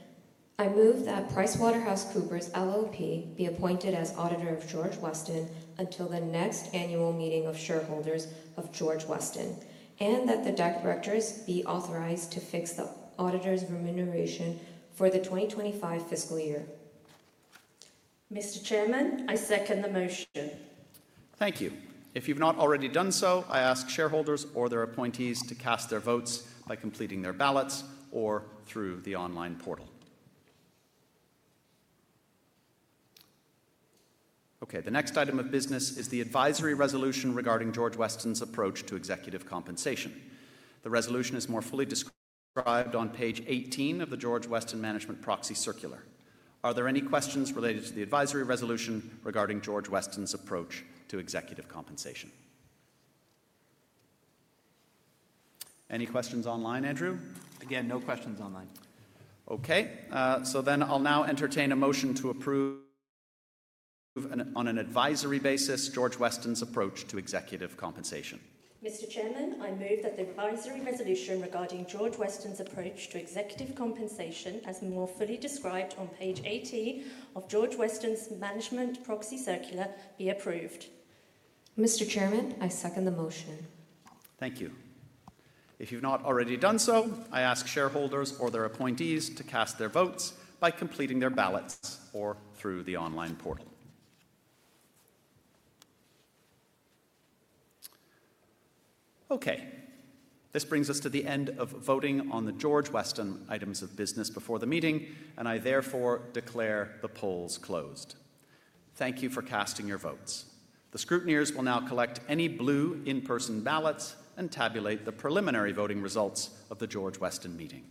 I move that PricewaterhouseCoopers LLP be appointed as auditor of George Weston until the next annual meeting of shareholders of George Weston and that the directors be authorized to fix the auditor's remuneration for the 2025 fiscal year. Mr. Chairman, I second the motion. Thank you. If you've not already done so, I ask shareholders or their appointees to cast their votes by completing their ballots or through the online portal. Okay, the next item of business is the advisory resolution regarding George Weston's approach to executive compensation. The resolution is more fully described on page 18 of the George Weston management proxy circular. Are there any questions related to the advisory resolution regarding George Weston's approach to executive compensation? Any questions online, Andrew? Again, no questions online. Okay, so then I'll now entertain a motion to approve on an advisory basis George Weston's approach to executive compensation. Mr. Chairman, I move that the advisory resolution regarding George Weston's approach to executive compensation as more fully described on page 18 of George Weston's management proxy circular be approved. Mr. Chairman, I second the motion. Thank you. If you've not already done so, I ask shareholders or their appointees to cast their votes by completing their ballots or through the online portal. Okay, this brings us to the end of voting on the George Weston items of business before the meeting, and I therefore declare the polls closed. Thank you for casting your votes. The scrutineers will now collect any blue in-person ballots and tabulate the preliminary voting results of the George Weston meeting.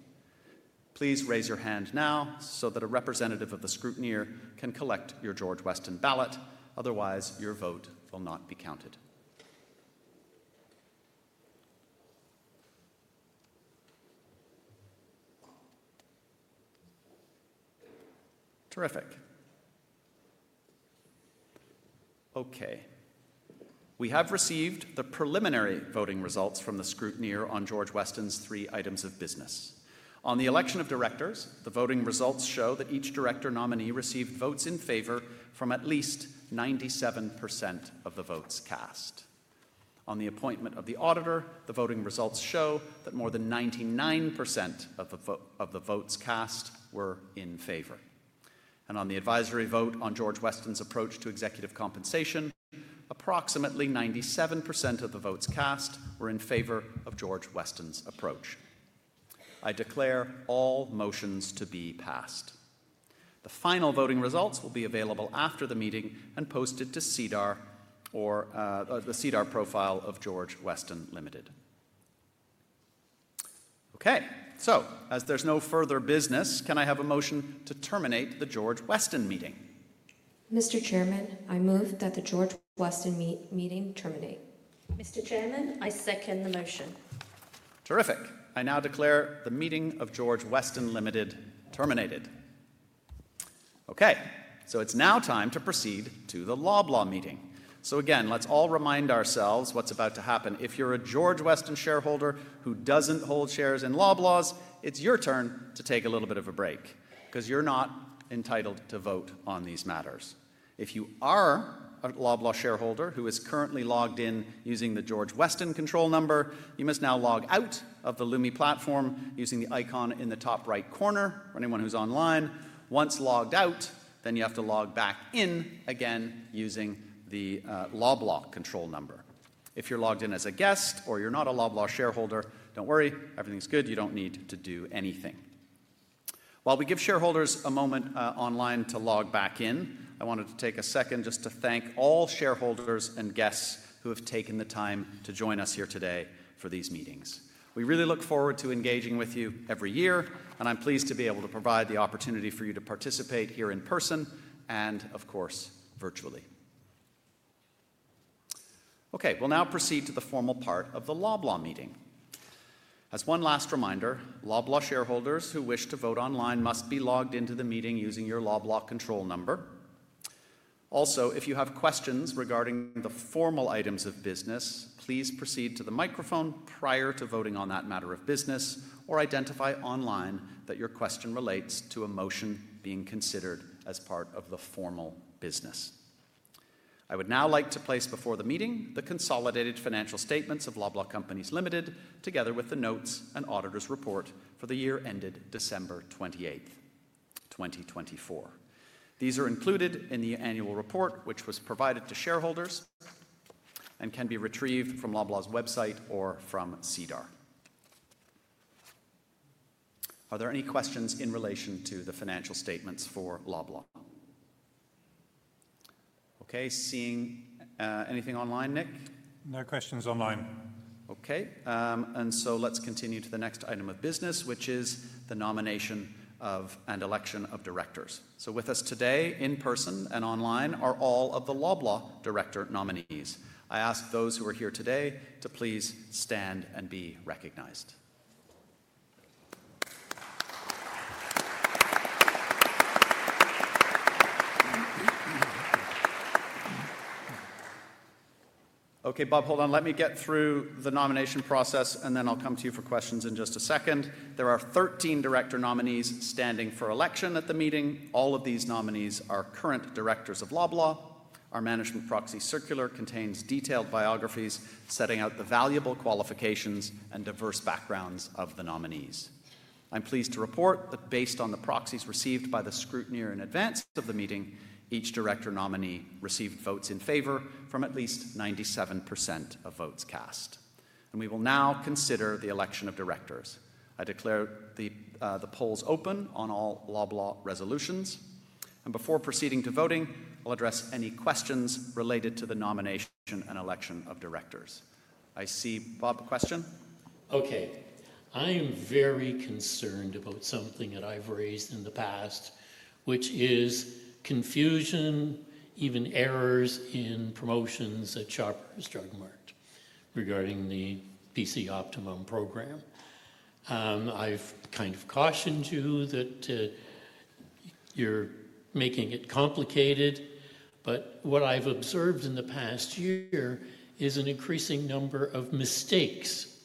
Please raise your hand now so that a representative of the scrutineer can collect your George Weston ballot. Otherwise, your vote will not be counted. Terrific. Okay, we have received the preliminary voting results from the scrutineer on George Weston's three items of business. On the election of directors, the voting results show that each director nominee received votes in favor from at least 97% of the votes cast. On the appointment of the auditor, the voting results show that more than 99% of the votes cast were in favor. On the advisory vote on George Weston's approach to executive compensation, approximately 97% of the votes cast were in favor of George Weston's approach. I declare all motions to be passed. The final voting results will be available after the meeting and posted to SEDAR or the SEDAR profile of George Weston Limited. Okay, as there is no further business, can I have a motion to terminate the George Weston meeting? Mr. Chairman, I move that the George Weston meeting terminate. Mr. Chairman, I second the motion. Terrific. I now declare the meeting of George Weston Limited terminated. It is now time to proceed to the Loblaw meeting. Again, let's all remind ourselves what's about to happen. If you're a George Weston shareholder who doesn't hold shares in Loblaw, it's your turn to take a little bit of a break because you're not entitled to vote on these matters. If you are a Loblaw shareholder who is currently logged in using the George Weston control number, you must now log out of the Lumi platform using the icon in the top right corner for anyone who's online. Once logged out, you have to log back in again using the Loblaw control number. If you're logged in as a guest or you're not a Loblaw shareholder, don't worry, everything's good. You don't need to do anything. While we give shareholders a moment online to log back in, I wanted to take a second just to thank all shareholders and guests who have taken the time to join us here today for these meetings. We really look forward to engaging with you every year, and I'm pleased to be able to provide the opportunity for you to participate here in person and, of course, virtually. Okay, we'll now proceed to the formal part of the Loblaw meeting. As one last reminder, Loblaw shareholders who wish to vote online must be logged into the meeting using your Loblaw control number. Also, if you have questions regarding the formal items of business, please proceed to the microphone prior to voting on that matter of business or identify online that your question relates to a motion being considered as part of the formal business. I would now like to place before the meeting the consolidated financial statements of Loblaw Companies Limited together with the notes and auditor's report for the year ended 28 December 2024. These are included in the annual report, which was provided to shareholders and can be retrieved from Loblaw's website or from CDAR. Are there any questions in relation to the financial statements for Loblaw? Okay, seeing anything online, Nick? No questions online. Okay, and let's continue to the next item of business, which is the nomination and election of directors. With us today in person and online are all of the Loblaw director nominees. I ask those who are here today to please stand and be recognized. Okay, Bob, hold on. Let me get through the nomination process, and then I'll come to you for questions in just a second. There are 13 director nominees standing for election at the meeting. All of these nominees are current directors of Loblaw. Our management proxy circular contains detailed biographies setting out the valuable qualifications and diverse backgrounds of the nominees. I'm pleased to report that based on the proxies received by the scrutineer in advance of the meeting, each director nominee received votes in favor from at least 97% of votes cast. We will now consider the election of directors. I declare the polls open on all Loblaw resolutions. Before proceeding to voting, I'll address any questions related to the nomination and election of directors. I see Bob, a question? Okay, I am very concerned about something that I've raised in the past, which is confusion, even errors in promotions at Shoppers Drug Mart regarding the PC Optimum program. I've kind of cautioned you that you're making it complicated, but what I've observed in the past year is an increasing number of mistakes,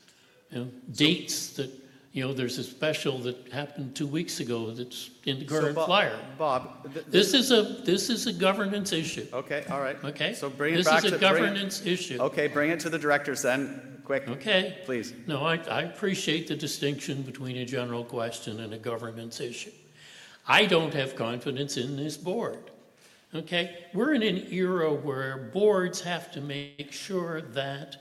dates that there's a special that happened two weeks ago that's in the current flyer. Bob, Bob. This is a governance issue. Okay, all right. Bring it back to the board. This is a governance issue. Okay, bring it to the directors then. Quick, please. No, I appreciate the distinction between a general question and a governance issue. I don't have confidence in this board. Okay, we're in an era where boards have to make sure that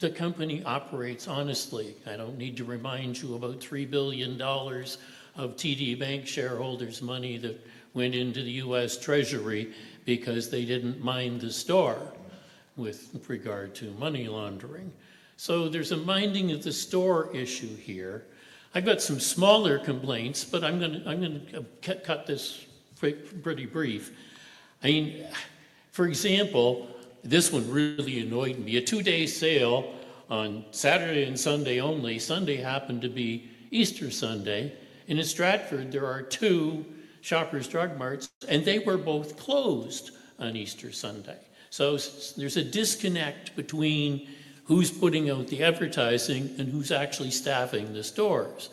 the company operates honestly. I don't need to remind you about $3 billion of TD Bank shareholders' money that went into the US Treasury because they didn't mind the store with regard to money laundering. There's a minding of the store issue here. I've got some smaller complaints, but I'm going to cut this pretty brief. I mean, for example, this one really annoyed me. A two-day sale on Saturday and Sunday only. Sunday happened to be Easter Sunday. In Stratford, there are two Shoppers Drug Marts, and they were both closed on Easter Sunday. There's a disconnect between who's putting out the advertising and who's actually staffing the stores.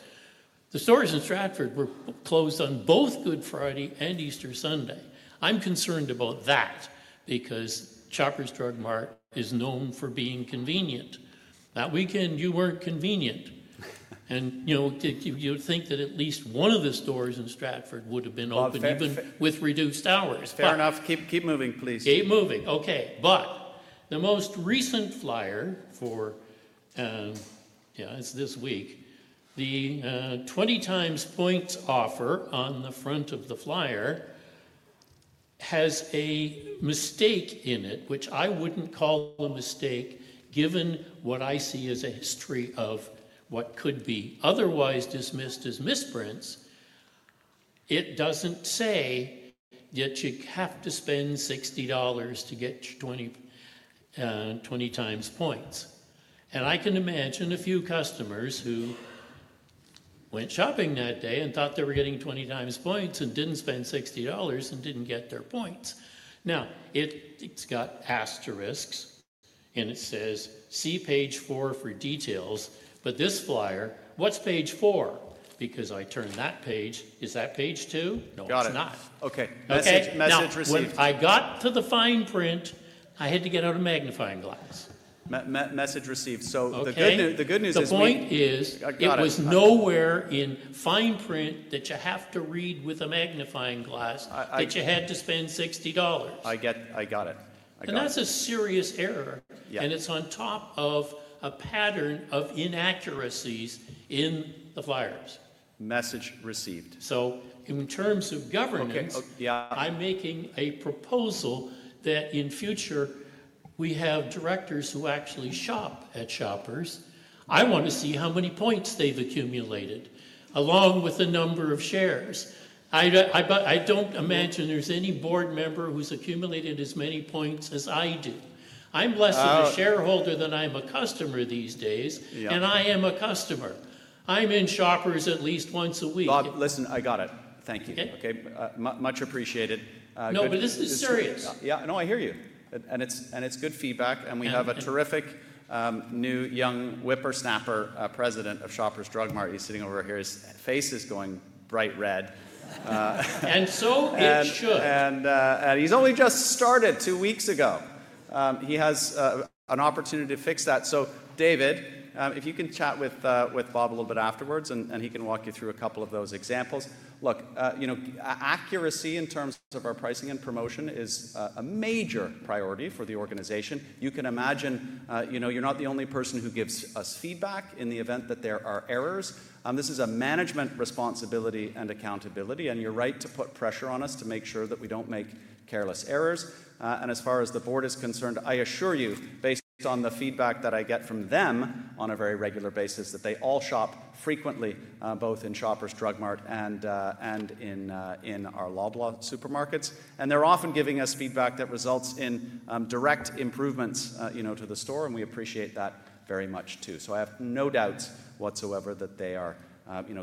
The stores in Stratford were closed on both Good Friday and Easter Sunday. I'm concerned about that because Shoppers Drug Mart is known for being convenient. That weekend, you weren't convenient. You'd think that at least one of the stores in Stratford would have been open even with reduced hours. Fair enough. Keep moving, please. Keep moving. Okay, but the most recent flyer for, yeah, it's this week, the 20 times points offer on the front of the flyer has a mistake in it, which I wouldn't call a mistake given what I see as a history of what could be otherwise dismissed as misprints. It doesn't say that you have to spend $60 to get 20 times points. I can imagine a few customers who went shopping that day and thought they were getting 20 times points and didn't spend $60 and didn't get their points. Now, it's got asterisks and it says, "See page four for details." This flyer, what's page four? I turned that page. Is that page two? Got it. Okay, message received. When I got to the fine print, I had to get out a magnifying glass. Message received. The good news is you. The point is it was nowhere in fine print that you have to read with a magnifying glass that you had to spend $60. I get it. I got it. That's a serious error. It's on top of a pattern of inaccuracies in the flyers. Message received.In terms of governance. I'm making a proposal that in future we have directors who actually shop at Shoppers. I want to see how many points they've accumulated along with the number of shares. I don't imagine there's any board member who's accumulated as many points as I do. I'm less of a shareholder than I am a customer these days, and I am a customer. I'm in Shoppers at least once a week. Bob, listen, I got it. Thank you. Okay, much appreciated. No, but this is serious. Yeah, no, I hear you. It's good feedback. We have a terrific new young whippersnapper President of Shoppers Drug Mart. He's sitting over here. His face is going bright red. It should. He's only just started two weeks ago. He has an opportunity to fix that. David, if you can chat with Bob a little bit afterwards, he can walk you through a couple of those examples. Look, accuracy in terms of our pricing and promotion is a major priority for the organization. You can imagine you're not the only person who gives us feedback in the event that there are errors. This is a management responsibility and accountability. You're right to put pressure on us to make sure that we don't make careless errors. As far as the board is concerned, I assure you, based on the feedback that I get from them on a very regular basis, that they all shop frequently, both in Shoppers Drug Mart and in our Loblaw supermarkets. They are often giving us feedback that results in direct improvements to the store. We appreciate that very much too. I have no doubts whatsoever that they are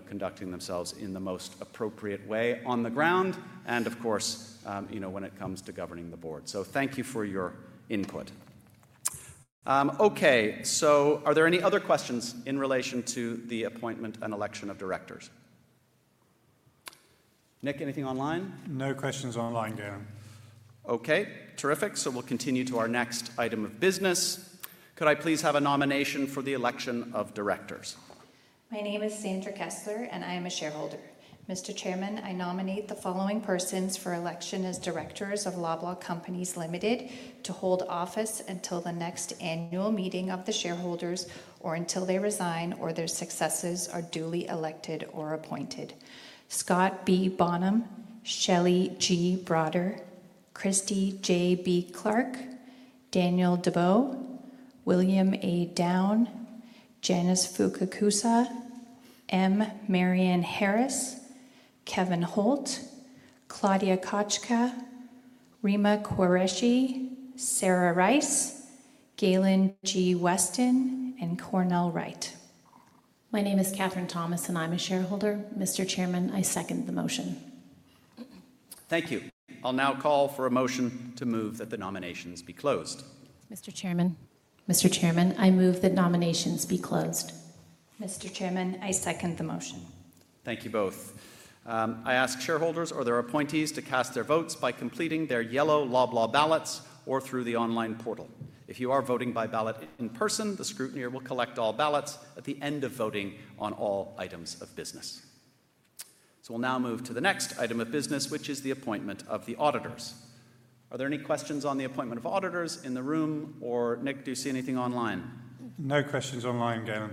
conducting themselves in the most appropriate way on the ground and, of course, when it comes to governing the board. Thank you for your input. Are there any other questions in relation to the appointment and election of directors? Nick, anything online? No questions online, Galen. Okay, terrific. We will continue to our next item of business. Could I please have a nomination for the election of directors? My name is Sandra Kessler, and I am a shareholder. Mr. Chairman, I nominate the following persons for election as directors of Loblaw Companies Limited to hold office until the next annual meeting of the shareholders or until they resign or their successors are duly elected or appointed. Scott B. Bonham, Shelley G. Broader, Christie J. B. Clark, Daniel Debow, William A. Downe, Janice Fukakusa, M. Marianne Harris, Kevin Holt, Claudia Kotchka, Rima Qureshi, Sarah Raiss, Galen G. Weston, and Cornell Wright. My name is Katherine Thomas, and I'm a shareholder. Mr. Chairman, I second the motion. Thank you. I'll now call for a motion to move that the nominations be closed. Mr. Chairman. Mr. Chairman, I move that nominations be closed. Mr. Chairman, I second the motion. Thank you both. I ask shareholders or their appointees to cast their votes by completing their yellow Loblaw ballots or through the online portal. If you are voting by ballot in person, the scrutineer will collect all ballots at the end of voting on all items of business. We will now move to the next item of business, which is the appointment of the auditors. Are there any questions on the appointment of auditors in the room? Nick, do you see anything online? No questions online, Galen.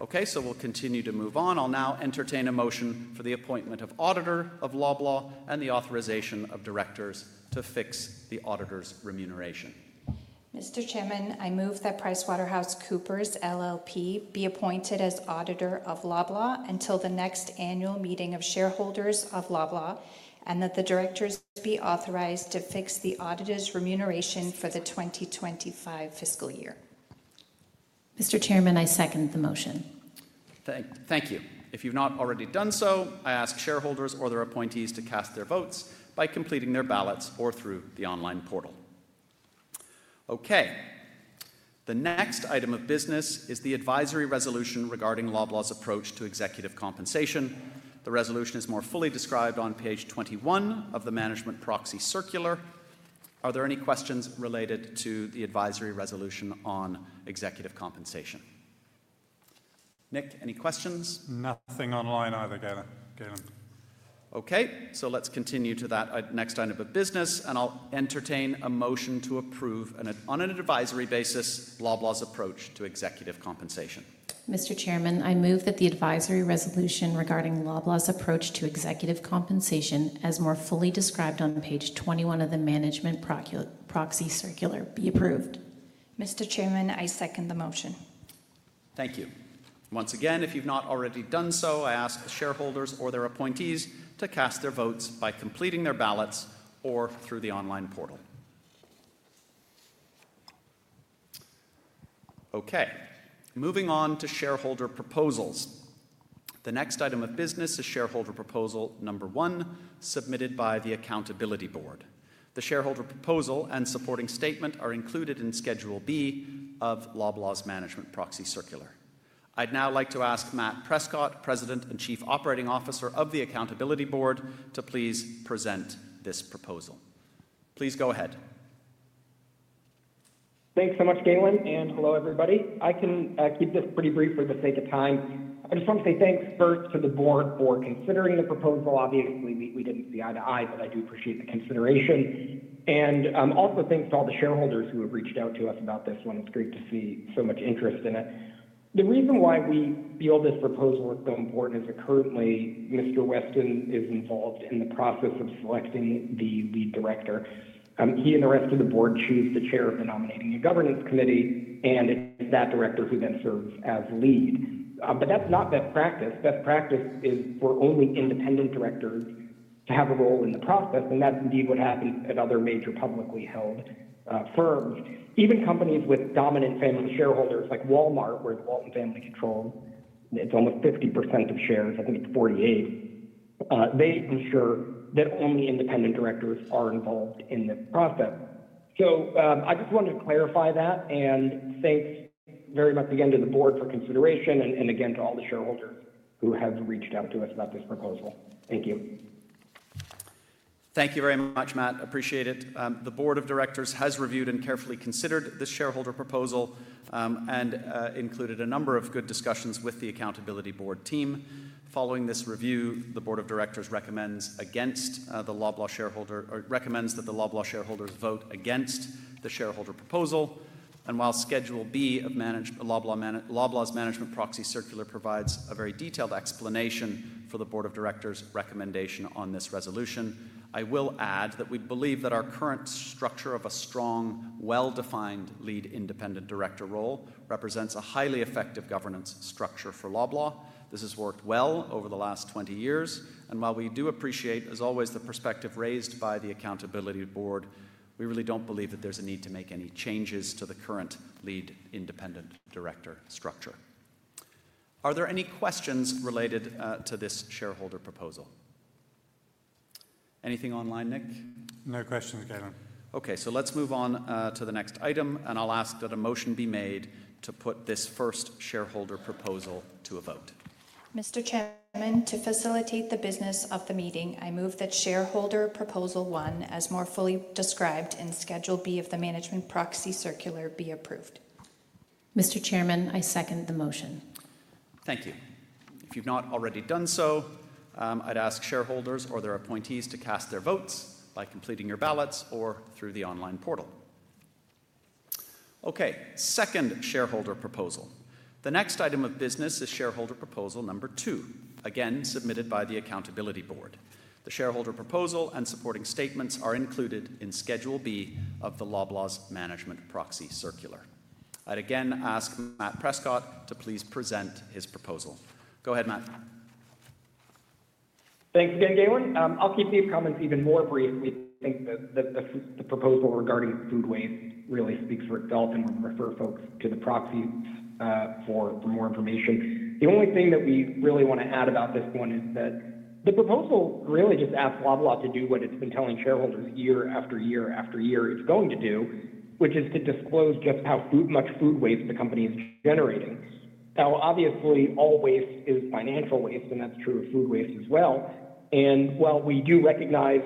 Okay, so we'll continue to move on. I'll now entertain a motion for the appointment of auditor of Loblaw and the authorization of directors to fix the auditor's remuneration. Mr. Chairman, I move that PricewaterhouseCoopers LLP be appointed as auditor of Loblaw until the next annual meeting of shareholders of Loblaw and that the directors be authorized to fix the auditor's remuneration for the 2025 fiscal year. Mr. Chairman, I second the motion. Thank you. If you've not already done so, I ask shareholders or their appointees to cast their votes by completing their ballots or through the online portal. Okay, the next item of business is the advisory resolution regarding Loblaw's approach to executive compensation. The resolution is more fully described on page 21 of the management proxy circular. Are there any questions related to the advisory resolution on executive compensation? Nick, any questions? Nothing online either, Galen. Okay, so let's continue to that next item of business. I'll entertain a motion to approve on an advisory basis Loblaw's approach to executive compensation. Mr. Chairman, I move that the advisory resolution regarding Loblaw's approach to executive compensation as more fully described on page 21 of the management proxy circular be approved. Mr. Chairman, I second the motion. Thank you. Once again, if you've not already done so, I ask shareholders or their appointees to cast their votes by completing their ballots or through the online portal. Okay, moving on to shareholder proposals. The next item of business is shareholder proposal number one submitted by The Accountability Board. The shareholder proposal and supporting statement are included in Schedule B of Loblaw's management proxy circular. I'd now like to ask Matt Prescott, President and Chief Operating Officer of The Accountability Board, to please present this proposal. Please go ahead. Thanks so much, Galen. Hello, everybody. I can keep this pretty brief for the sake of time. I just want to say thanks first to the board for considering the proposal. Obviously, we did not see eye to eye, but I do appreciate the consideration. Also, thanks to all the shareholders who have reached out to us about this one. It is great to see so much interest in it. The reason why we feel this proposal is so important is that currently, Mr. Weston is involved in the process of selecting the lead director. He and the rest of the board choose the chair of the nominating and governance committee, and it is that director who then serves as lead. That is not best practice. Best practice is for only independent directors to have a role in the process. That is indeed what happens at other major publicly held firms. Even companies with dominant family shareholders like Walmart, where the Walton family controls, it's almost 50% of shares. I think it's 48%. They ensure that only independent directors are involved in this process. I just wanted to clarify that and thank very much again to the board for consideration and again to all the shareholders who have reached out to us about this proposal. Thank you. Thank you very much, Matt. Appreciate it. The board of directors has reviewed and carefully considered this shareholder proposal and included a number of good discussions with The Accountability Board team. Following this review, the board of directors recommends that the Loblaw shareholders vote against the shareholder proposal. While schedule B of Loblaw's management proxy circular provides a very detailed explanation for the board of directors' recommendation on this resolution, I will add that we believe that our current structure of a strong, well-defined lead independent director role represents a highly effective governance structure for Loblaw. This has worked well over the last 20 years. While we do appreciate, as always, the perspective raised by The Accountability Board, we really do not believe that there is a need to make any changes to the current lead independent director structure. Are there any questions related to this shareholder proposal? Anything online, Nick? No questions, Galen. Okay, so let's move on to the next item. I'll ask that a motion be made to put this first shareholder proposal to a vote. Mr. Chairman, to facilitate the business of the meeting, I move that shareholder proposal one as more fully described in Schedule B of the management proxy circular be approved. Mr. Chairman, I second the motion. Thank you. If you've not already done so, I'd ask shareholders or their appointees to cast their votes by completing your ballots or through the online portal. Okay, second shareholder proposal. The next item of business is shareholder proposal number two, again submitted by The Accountability Board. The shareholder proposal and supporting statements are included in schedule B of the Loblaw's management proxy circular. I'd again ask Matt Prescott to please present his proposal. Go ahead, Matt. Thanks again, Galen. I'll keep these comments even more brief. We think that the proposal regarding food waste really speaks for itself and would refer folks to the proxy for more information. The only thing that we really want to add about this one is that the proposal really just asks Loblaw to do what it's been telling shareholders year after year after year it's going to do, which is to disclose just how much food waste the company is generating. Now, obviously, all waste is financial waste, and that's true of food waste as well. While we do recognize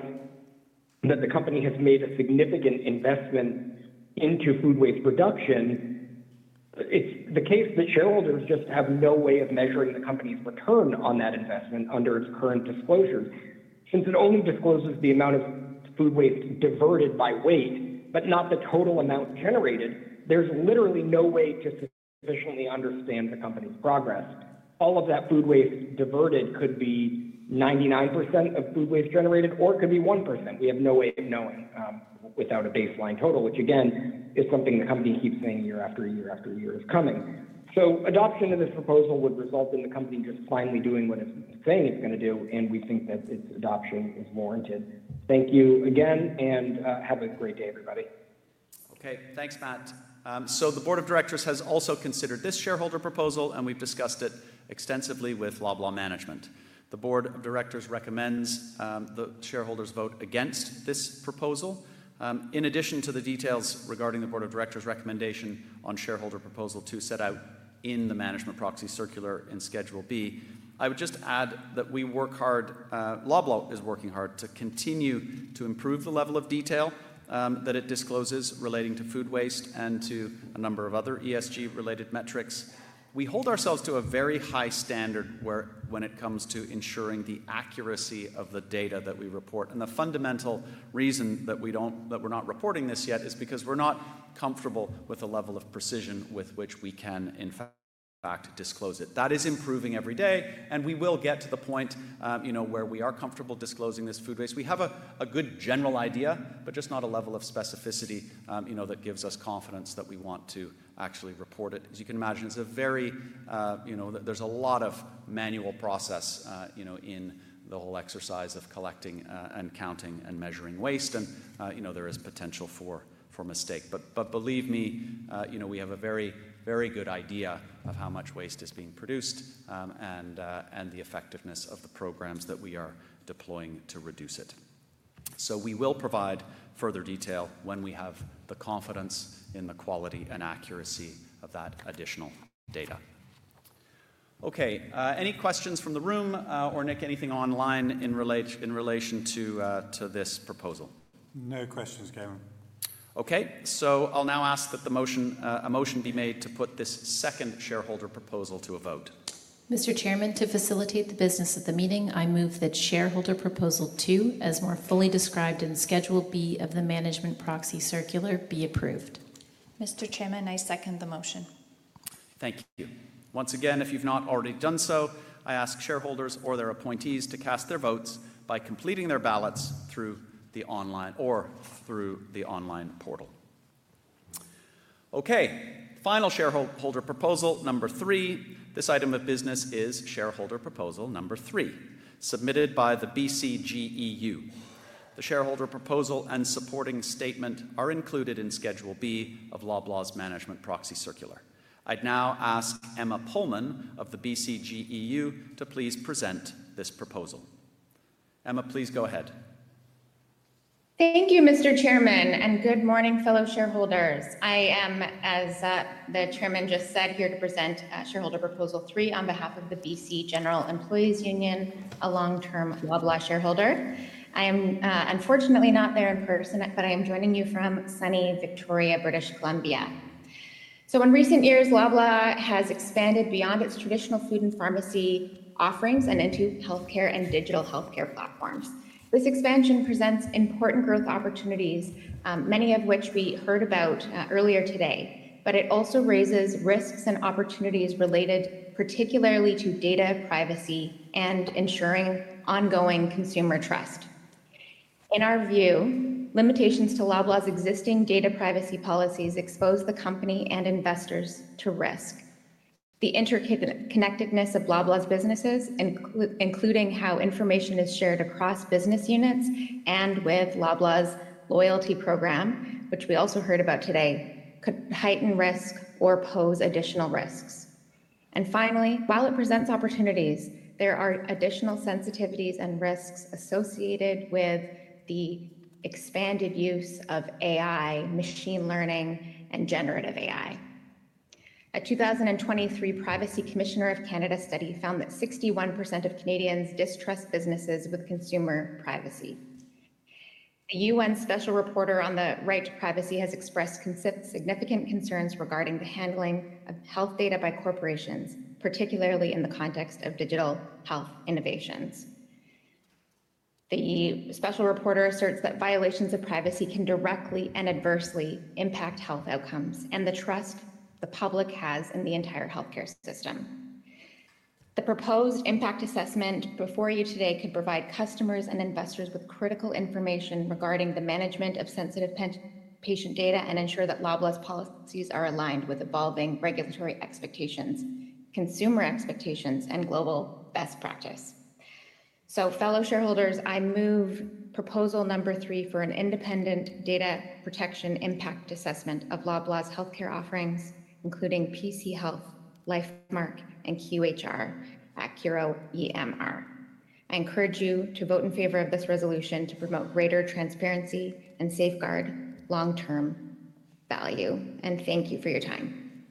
that the company has made a significant investment into food waste reduction, it's the case that shareholders just have no way of measuring the company's return on that investment under its current disclosures. Since it only discloses the amount of food waste diverted by weight, but not the total amount generated, there's literally no way to sufficiently understand the company's progress. All of that food waste diverted could be 99% of food waste generated, or it could be 1%. We have no way of knowing without a baseline total, which again is something the company keeps saying year after year after year is coming. Adoption of this proposal would result in the company just finally doing what it's saying it's going to do, and we think that its adoption is warranted. Thank you again, and have a great day, everybody. Okay, thanks, Matt. The board of directors has also considered this shareholder proposal, and we've discussed it extensively with Loblaw Management. The board of directors recommends the shareholders vote against this proposal. In addition to the details regarding the board of directors' recommendation on shareholder proposal two set out in the management proxy circular in schedule B, I would just add that we work hard. Loblaw is working hard to continue to improve the level of detail that it discloses relating to food waste and to a number of other ESG-related metrics. We hold ourselves to a very high standard when it comes to ensuring the accuracy of the data that we report. The fundamental reason that we're not reporting this yet is because we're not comfortable with the level of precision with which we can, in fact, disclose it. That is improving every day, and we will get to the point where we are comfortable disclosing this food waste. We have a good general idea, but just not a level of specificity that gives us confidence that we want to actually report it. As you can imagine, it is a very, there is a lot of manual process in the whole exercise of collecting and counting and measuring waste, and there is potential for mistake. Believe me, we have a very, very good idea of how much waste is being produced and the effectiveness of the programs that we are deploying to reduce it. We will provide further detail when we have the confidence in the quality and accuracy of that additional data. Okay, any questions from the room? Nick, anything online in relation to this proposal? No questions, Galen. Okay, so I'll now ask that a motion be made to put this second shareholder proposal to a vote. Mr. Chairman, to facilitate the business of the meeting, I move that shareholder proposal two as more fully described in Schedule B of the management proxy circular be approved. Mr. Chairman, I second the motion. Thank you. Once again, if you've not already done so, I ask shareholders or their appointees to cast their votes by completing their ballots through the online portal. Okay, final shareholder proposal number three. This item of business is shareholder proposal number three, submitted by the BCGEU. The shareholder proposal and supporting statement are included in schedule B of Loblaw's management proxy circular. I'd now ask Emma Pullman of the BCGEU to please present this proposal. Emma, please go ahead. Thank you, Mr. Chairman, and good morning, fellow shareholders. I am, as the Chairman just said, here to present shareholder proposal three on behalf of the BC General Employees Union, a long-term Loblaw shareholder. I am unfortunately not there in person, but I am joining you from sunny Victoria, British Columbia. In recent years, Loblaw has expanded beyond its traditional food and pharmacy offerings and into healthcare and digital healthcare platforms. This expansion presents important growth opportunities, many of which we heard about earlier today, but it also raises risks and opportunities related particularly to data privacy and ensuring ongoing consumer trust. In our view, limitations to Loblaw's existing data privacy policies expose the company and investors to risk. The interconnectedness of Loblaw's businesses, including how information is shared across business units and with Loblaw's loyalty program, which we also heard about today, could heighten risk or pose additional risks. Finally, while it presents opportunities, there are additional sensitivities and risks associated with the expanded use of AI, machine learning, and generative AI. A 2023 Privacy Commissioner of Canada study found that 61% of Canadians distrust businesses with consumer privacy. A UN special reporter on the right to privacy has expressed significant concerns regarding the handling of health data by corporations, particularly in the context of digital health innovations. The special reporter asserts that violations of privacy can directly and adversely impact health outcomes and the trust the public has in the entire healthcare system. The proposed impact assessment before you today could provide customers and investors with critical information regarding the management of sensitive patient data and ensure that Loblaw's policies are aligned with evolving regulatory expectations, consumer expectations, and global best practice. Fellow shareholders, I move proposal number three for an independent data protection impact assessment of Loblaw's healthcare offerings, including PC Health, Lifemark, and QHR, Accuro EMR. I encourage you to vote in favor of this resolution to promote greater transparency and safeguard long-term value. Thank you for your time.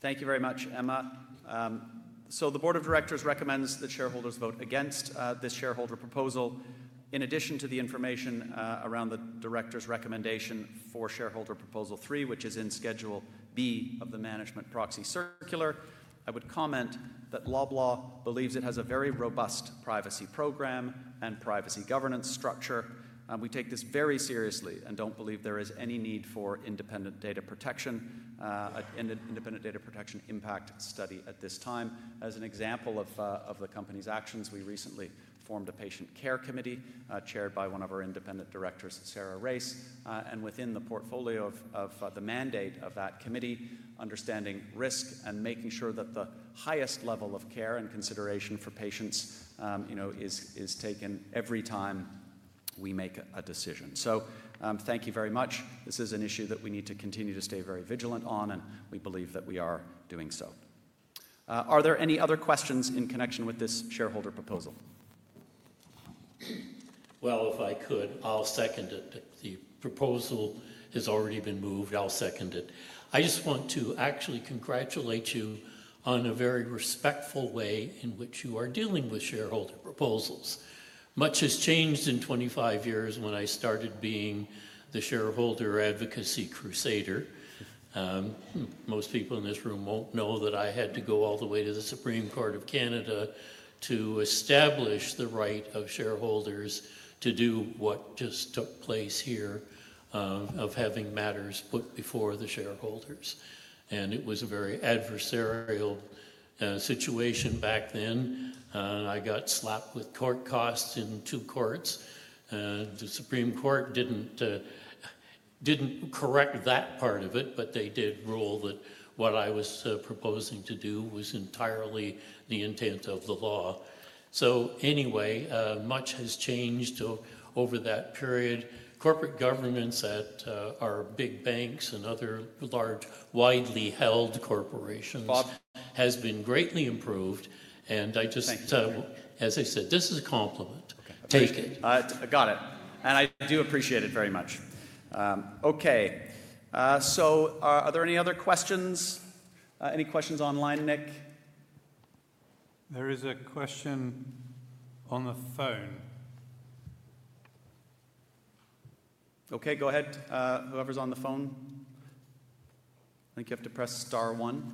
Thank you very much, Emma. The board of directors recommends that shareholders vote against this shareholder proposal. In addition to the information around the director's recommendation for shareholder proposal three, which is in schedule B of the management proxy circular, I would comment that Loblaw believes it has a very robust privacy program and privacy governance structure. We take this very seriously and do not believe there is any need for independent data protection and independent data protection impact study at this time. As an example of the company's actions, we recently formed a patient care committee chaired by one of our independent directors, Sarah Raiss. Within the portfolio of the mandate of that committee, understanding risk and making sure that the highest level of care and consideration for patients is taken every time we make a decision. Thank you very much. This is an issue that we need to continue to stay very vigilant on, and we believe that we are doing so. Are there any other questions in connection with this shareholder proposal? If I could, I'll second it. The proposal has already been moved. I'll second it. I just want to actually congratulate you on a very respectful way in which you are dealing with shareholder proposals. Much has changed in 25 years when I started being the shareholder advocacy crusader. Most people in this room won't know that I had to go all the way to the Supreme Court of Canada to establish the right of shareholders to do what just took place here of having matters put before the shareholders. It was a very adversarial situation back then. I got slapped with court costs in two courts. The Supreme Court did not correct that part of it, but they did rule that what I was proposing to do was entirely the intent of the law. Anyway, much has changed over that period. Corporate governance at our big banks and other large, widely held corporations has been greatly improved. I just, as I said, this is a compliment. Take it. Got it. I do appreciate it very much. Okay, are there any other questions? Any questions online, Nick? There is a question on the phone. Okay, go ahead. Whoever's on the phone. I think you have to press star one,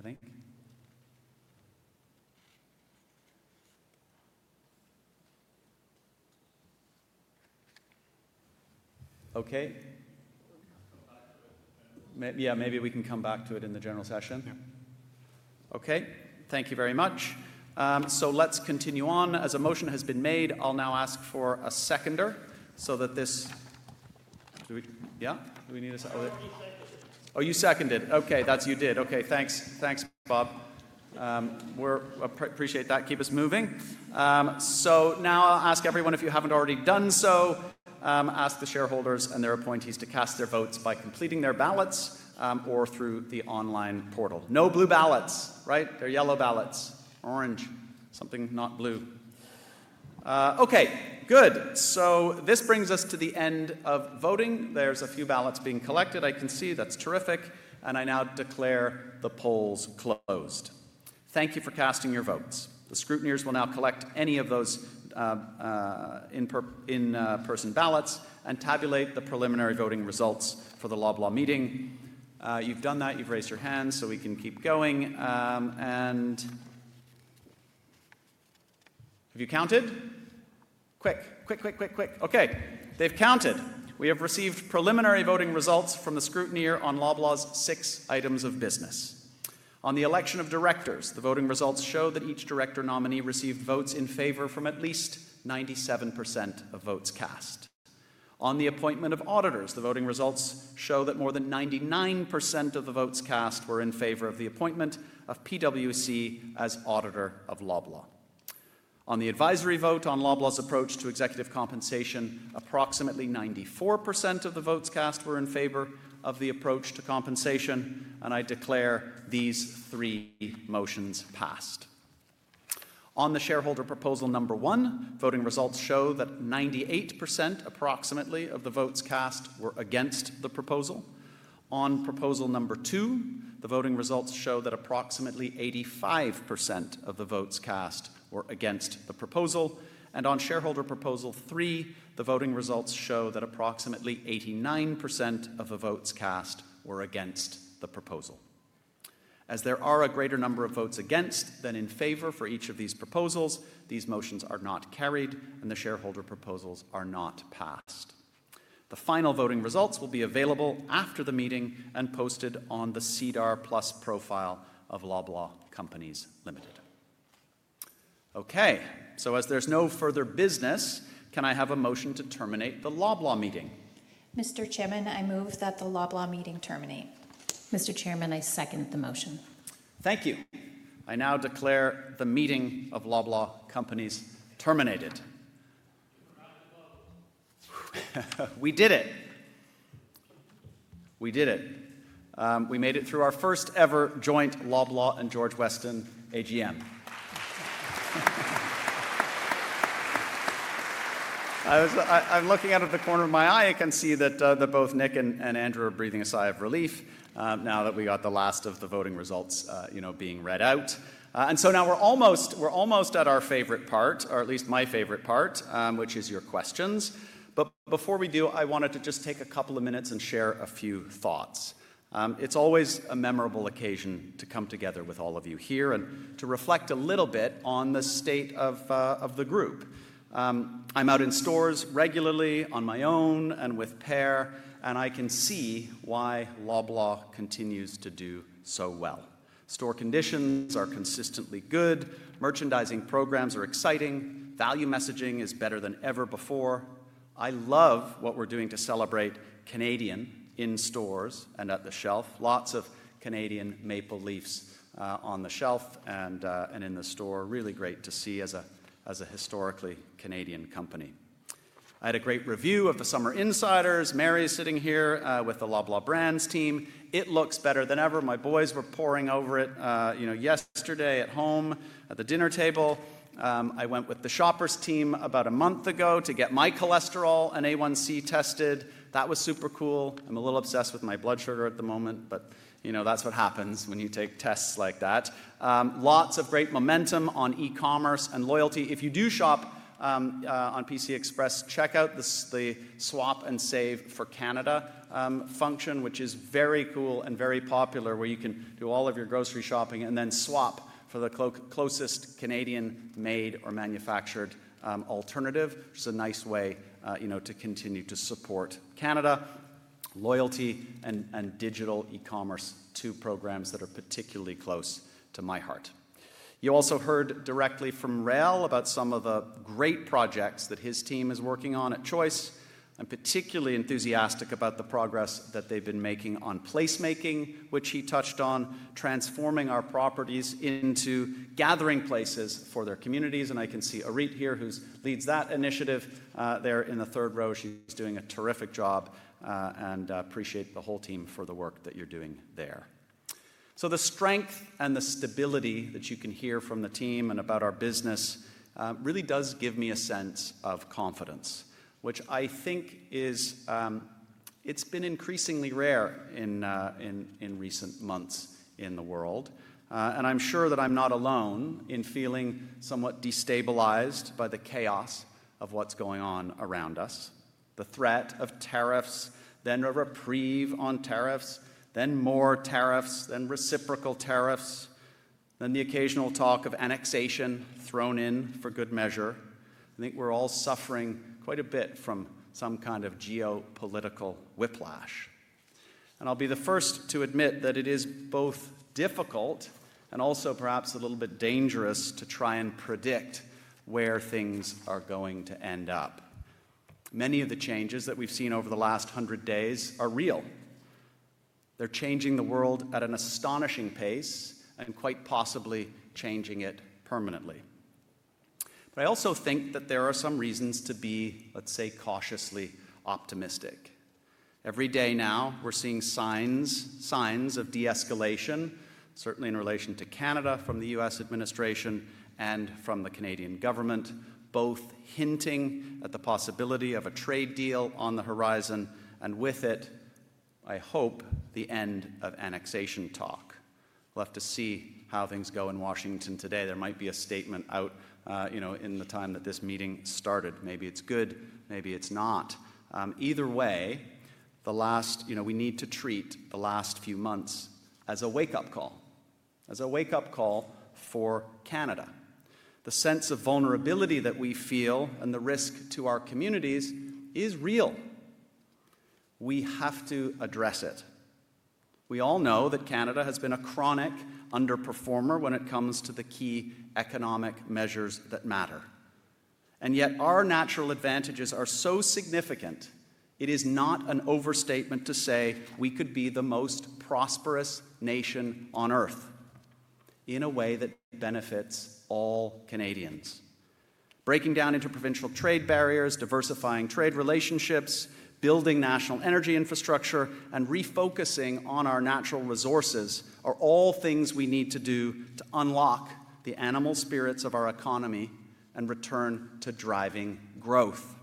I think. Yeah, maybe we can come back to it in the general session. Okay, thank you very much. Let's continue on. As a motion has been made, I'll now ask for a seconder so that this—yeah? Do we need a seconder? Oh, you seconded. Okay, that's you did. Okay, thanks. Thanks, Bob. Appreciate that. Keep us moving. Now I'll ask everyone, if you haven't already done so, ask the shareholders and their appointees to cast their votes by completing their ballots or through the online portal. No blue ballots, right? They're yellow ballots. Orange. Something not blue. Okay, good. This brings us to the end of voting. There's a few ballots being collected. I can see. That's terrific. I now declare the polls closed. Thank you for casting your votes. The scrutineers will now collect any of those in-person ballots and tabulate the preliminary voting results for the Loblaw meeting. You've done that. You've raised your hands so we can keep going. Have you counted? Quick, quick, quick, quick, quick. Okay, they've counted. We have received preliminary voting results from the scrutineer on Loblaw's six items of business. On the election of directors, the voting results show that each director nominee received votes in favor from at least 97% of votes cast. On the appointment of auditors, the voting results show that more than 99% of the votes cast were in favor of the appointment of PricewaterhouseCoopers LLP as auditor of Loblaw. On the advisory vote on Loblaw's approach to executive compensation, approximately 94% of the votes cast were in favor of the approach to compensation. I declare these three motions passed. On the shareholder proposal number one, voting results show that 98%, approximately, of the votes cast were against the proposal. On proposal number two, the voting results show that approximately 85% of the votes cast were against the proposal. On shareholder proposal three, the voting results show that approximately 89% of the votes cast were against the proposal. As there are a greater number of votes against than in favor for each of these proposals, these motions are not carried, and the shareholder proposals are not passed. The final voting results will be available after the meeting and posted on the SEDAR+ profile of Loblaw Companies Limited. Okay, as there's no further business, can I have a motion to terminate the Loblaw meeting? Mr. Chairman, I move that the Loblaw meeting terminate. Mr. Chairman, I second the motion. Thank you. I now declare the meeting of Loblaw Companies terminated. We did it. We did it. We made it through our first ever joint Loblaw and George Weston AGM. I'm looking out of the corner of my eye. I can see that both Nick and Andrew are breathing a sigh of relief now that we got the last of the voting results being read out. Now we're almost at our favorite part, or at least my favorite part, which is your questions. Before we do, I wanted to just take a couple of minutes and share a few thoughts. It's always a memorable occasion to come together with all of you here and to reflect a little bit on the state of the group. I'm out in stores regularly on my own and with Per, and I can see why Loblaw continues to do so well. Store conditions are consistently good. Merchandising programs are exciting. Value messaging is better than ever before. I love what we're doing to celebrate Canadian in stores and at the shelf. Lots of Canadian maple leafs on the shelf and in the store. Really great to see as a historically Canadian company. I had a great review of the summer insiders. Mary is sitting here with the Loblaw brand's team. It looks better than ever. My boys were pouring over it yesterday at home at the dinner table. I went with the Shoppers team about a month ago to get my cholesterol and A1C tested. That was super cool. I'm a little obsessed with my blood sugar at the moment, but that's what happens when you take tests like that. Lots of great momentum on e-commerce and loyalty. If you do shop on PC Express, check out the Swap and Save for Canada function, which is very cool and very popular, where you can do all of your grocery shopping and then swap for the closest Canadian-made or manufactured alternative. It's a nice way to continue to support Canada, loyalty, and digital e-commerce to programs that are particularly close to my heart. You also heard directly from Rael about some of the great projects that his team is working on at Choice. I am particularly enthusiastic about the progress that they've been making on placemaking, which he touched on, transforming our properties into gathering places for their communities. I can see Arit here, who leads that initiative there in the third row. She's doing a terrific job, and I appreciate the whole team for the work that you're doing there. The strength and the stability that you can hear from the team and about our business really does give me a sense of confidence, which I think is been increasingly rare in recent months in the world. I'm sure that I'm not alone in feeling somewhat destabilized by the chaos of what's going on around us. The threat of tariffs, then a reprieve on tariffs, then more tariffs, then reciprocal tariffs, then the occasional talk of annexation thrown in for good measure. I think we're all suffering quite a bit from some kind of geopolitical whiplash. I'll be the first to admit that it is both difficult and also perhaps a little bit dangerous to try and predict where things are going to end up. Many of the changes that we've seen over the last 100 days are real. They're changing the world at an astonishing pace and quite possibly changing it permanently. I also think that there are some reasons to be, let's say, cautiously optimistic. Every day now, we're seeing signs of de-escalation, certainly in relation to Canada from the US administration and from the Canadian government, both hinting at the possibility of a trade deal on the horizon and with it, I hope, the end of annexation talk. We'll have to see how things go in Washington today. There might be a statement out in the time that this meeting started. Maybe it's good. Maybe it's not. Either way, we need to treat the last few months as a wake-up call. As a wake-up call for Canada. The sense of vulnerability that we feel and the risk to our communities is real. We have to address it. We all know that Canada has been a chronic underperformer when it comes to the key economic measures that matter. Yet our natural advantages are so significant, it is not an overstatement to say we could be the most prosperous nation on earth in a way that benefits all Canadians. Breaking down interprovincial trade barriers, diversifying trade relationships, building national energy infrastructure, and refocusing on our natural resources are all things we need to do to unlock the animal spirits of our economy and return to driving growth.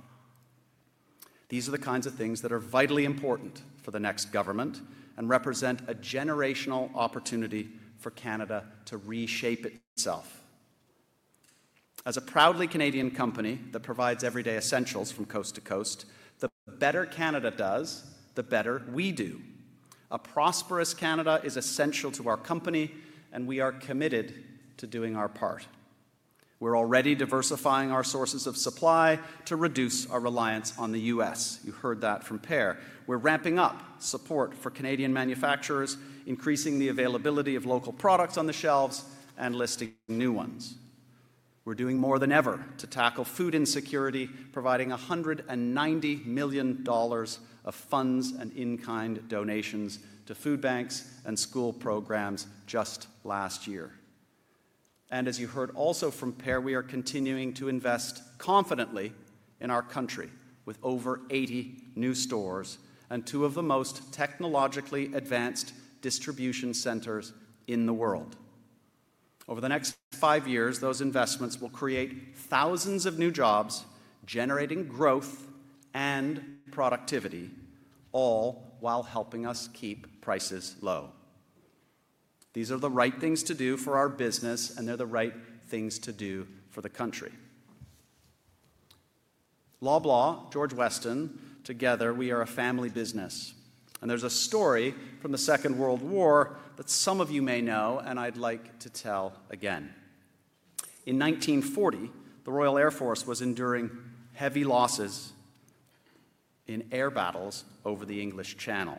These are the kinds of things that are vitally important for the next government and represent a generational opportunity for Canada to reshape itself. As a proudly Canadian company that provides everyday essentials from coast to coast, the better Canada does, the better we do. A prosperous Canada is essential to our company, and we are committed to doing our part. We're already diversifying our sources of supply to reduce our reliance on the US You heard that from Per. We're ramping up support for Canadian manufacturers, increasing the availability of local products on the shelves, and listing new ones. We're doing more than ever to tackle food insecurity, providing 190 million dollars of funds and in-kind donations to food banks and school programs just last year. You heard also from Per, we are continuing to invest confidently in our country with over 80 new stores and two of the most technologically advanced distribution centers in the world. Over the next five years, those investments will create thousands of new jobs, generating growth and productivity, all while helping us keep prices low. These are the right things to do for our business, and they're the right things to do for the country. Loblaw, George Weston, together, we are a family business. There is a story from the Second World War that some of you may know, and I would like to tell again. In 1940, the Royal Air Force was enduring heavy losses in air battles over the English Channel.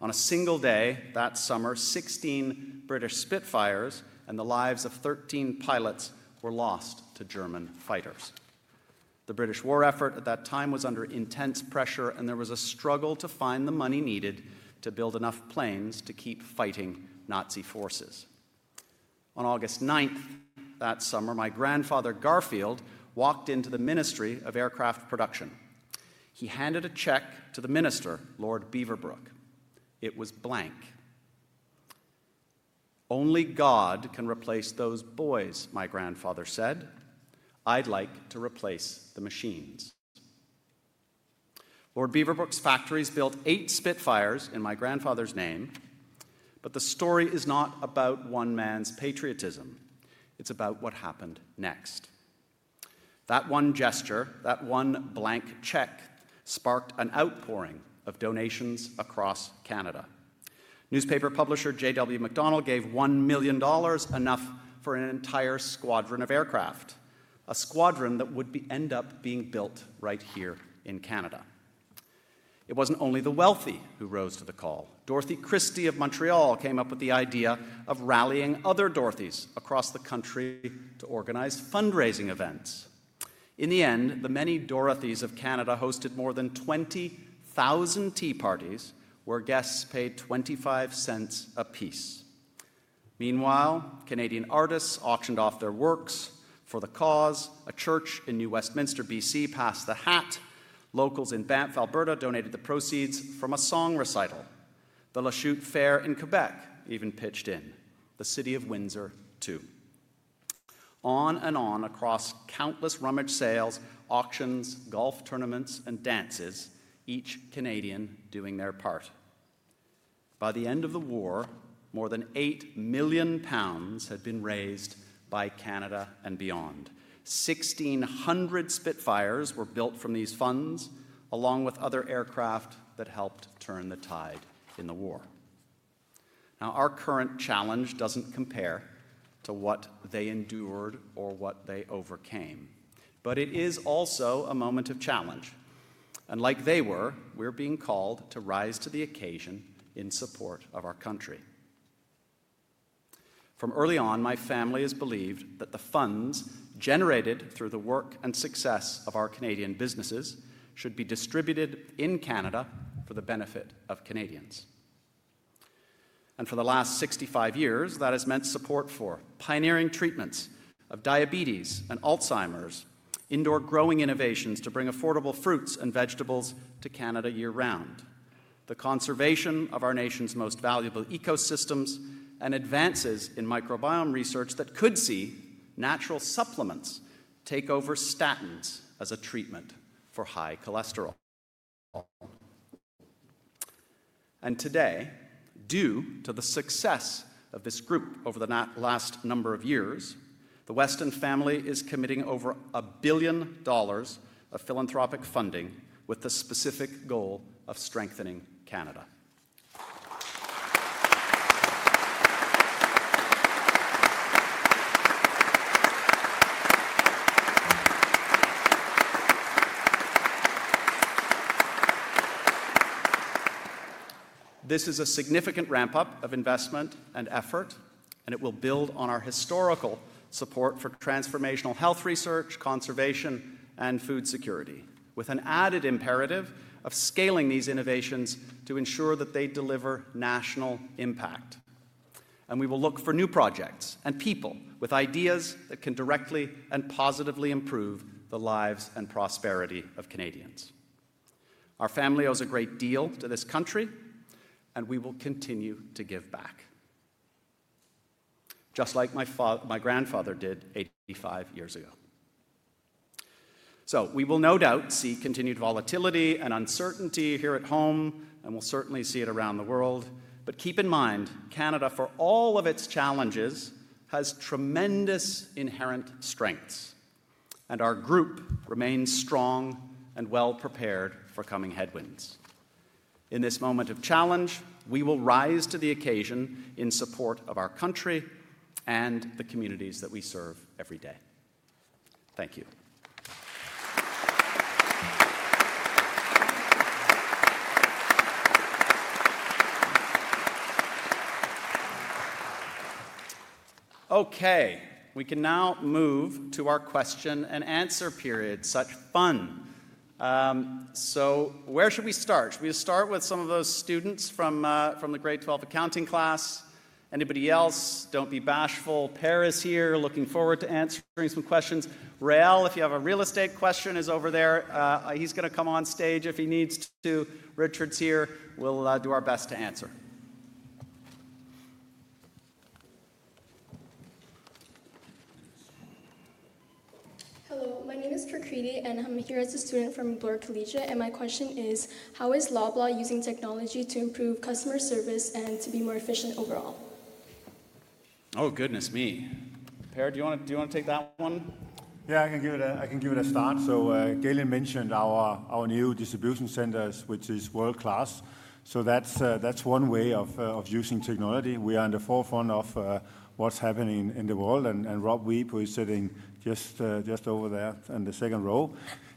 On a single day that summer, 16 British Spitfires and the lives of 13 pilots were lost to German fighters. The British war effort at that time was under intense pressure, and there was a struggle to find the money needed to build enough planes to keep fighting Nazi forces. On August 9th that summer, my grandfather Garfield walked into the Ministry of Aircraft Production. He handed a check to the minister, Lord Beaverbrook. It was blank. "Only God can replace those boys," my grandfather said. I'd like to replace the machines." Lord Beaverbrook's factories built eight Spitfires in my grandfather's name, but the story is not about one man's patriotism. It's about what happened next. That one gesture, that one blank check sparked an outpouring of donations across Canada. Newspaper publisher J.W. McConnell gave 1 million dollars, enough for an entire squadron of aircraft, a squadron that would end up being built right here in Canada. It wasn't only the wealthy who rose to the call. Dorothy Christie of Montreal came up with the idea of rallying other Dorothys across the country to organize fundraising events. In the end, the many Dorothys of Canada hosted more than 20,000 tea parties where guests paid 25 cents apiece. Meanwhile, Canadian artists auctioned off their works for the cause. A church in New Westminster, BC, passed the hat. Locals in Banff, Alberta, donated the proceeds from a song recital. The Lachute Fair in Quebec even pitched in. The city of Windsor, too. On and on, across countless rummage sales, auctions, golf tournaments, and dances, each Canadian doing their part. By the end of the war, more than 8 million pounds had been raised by Canada and beyond. 1,600 Spitfires were built from these funds, along with other aircraft that helped turn the tide in the war. Now, our current challenge does not compare to what they endured or what they overcame, but it is also a moment of challenge. Like they were, we're being called to rise to the occasion in support of our country. From early on, my family has believed that the funds generated through the work and success of our Canadian businesses should be distributed in Canada for the benefit of Canadians. For the last 65 years, that has meant support for pioneering treatments of diabetes and Alzheimer's, indoor growing innovations to bring affordable fruits and vegetables to Canada year-round, the conservation of our nation's most valuable ecosystems, and advances in microbiome research that could see natural supplements take over statins as a treatment for high cholesterol. Today, due to the success of this group over the last number of years, the Weston family is committing over 1 billion dollars of philanthropic funding with the specific goal of strengthening Canada. This is a significant ramp-up of investment and effort, and it will build on our historical support for transformational health research, conservation, and food security, with an added imperative of scaling these innovations to ensure that they deliver national impact. We will look for new projects and people with ideas that can directly and positively improve the lives and prosperity of Canadians. Our family owes a great deal to this country, and we will continue to give back, just like my grandfather did 85 years ago. We will no doubt see continued volatility and uncertainty here at home, and we'll certainly see it around the world. Keep in mind, Canada, for all of its challenges, has tremendous inherent strengths, and our group remains strong and well-prepared for coming headwinds. In this moment of challenge, we will rise to the occasion in support of our country and the communities that we serve every day. Thank you. Okay. We can now move to our question and answer period. Such fun. Where should we start? Should we start with some of those students from the Grade 12 accounting class? Anybody else? Do not be bashful. Per is here. Looking forward to answering some questions. Rael, if you have a real estate question, is over there. He is going to come on stage if he needs to. Richard is here. We will do our best to answer. Hello. My name is Prakriti, and I am here as a student from Bloor Collegiate. My question is, how is Loblaw using technology to improve customer service and to be more efficient overall? Oh, goodness me. Per, do you want to take that one? Yeah, I can give it a start. Galen mentioned our new distribution centers, which is world-class. That is one way of using technology. We are in the forefront of what is happening in the world. Rob Wiebe, who is sitting just over there in the second row,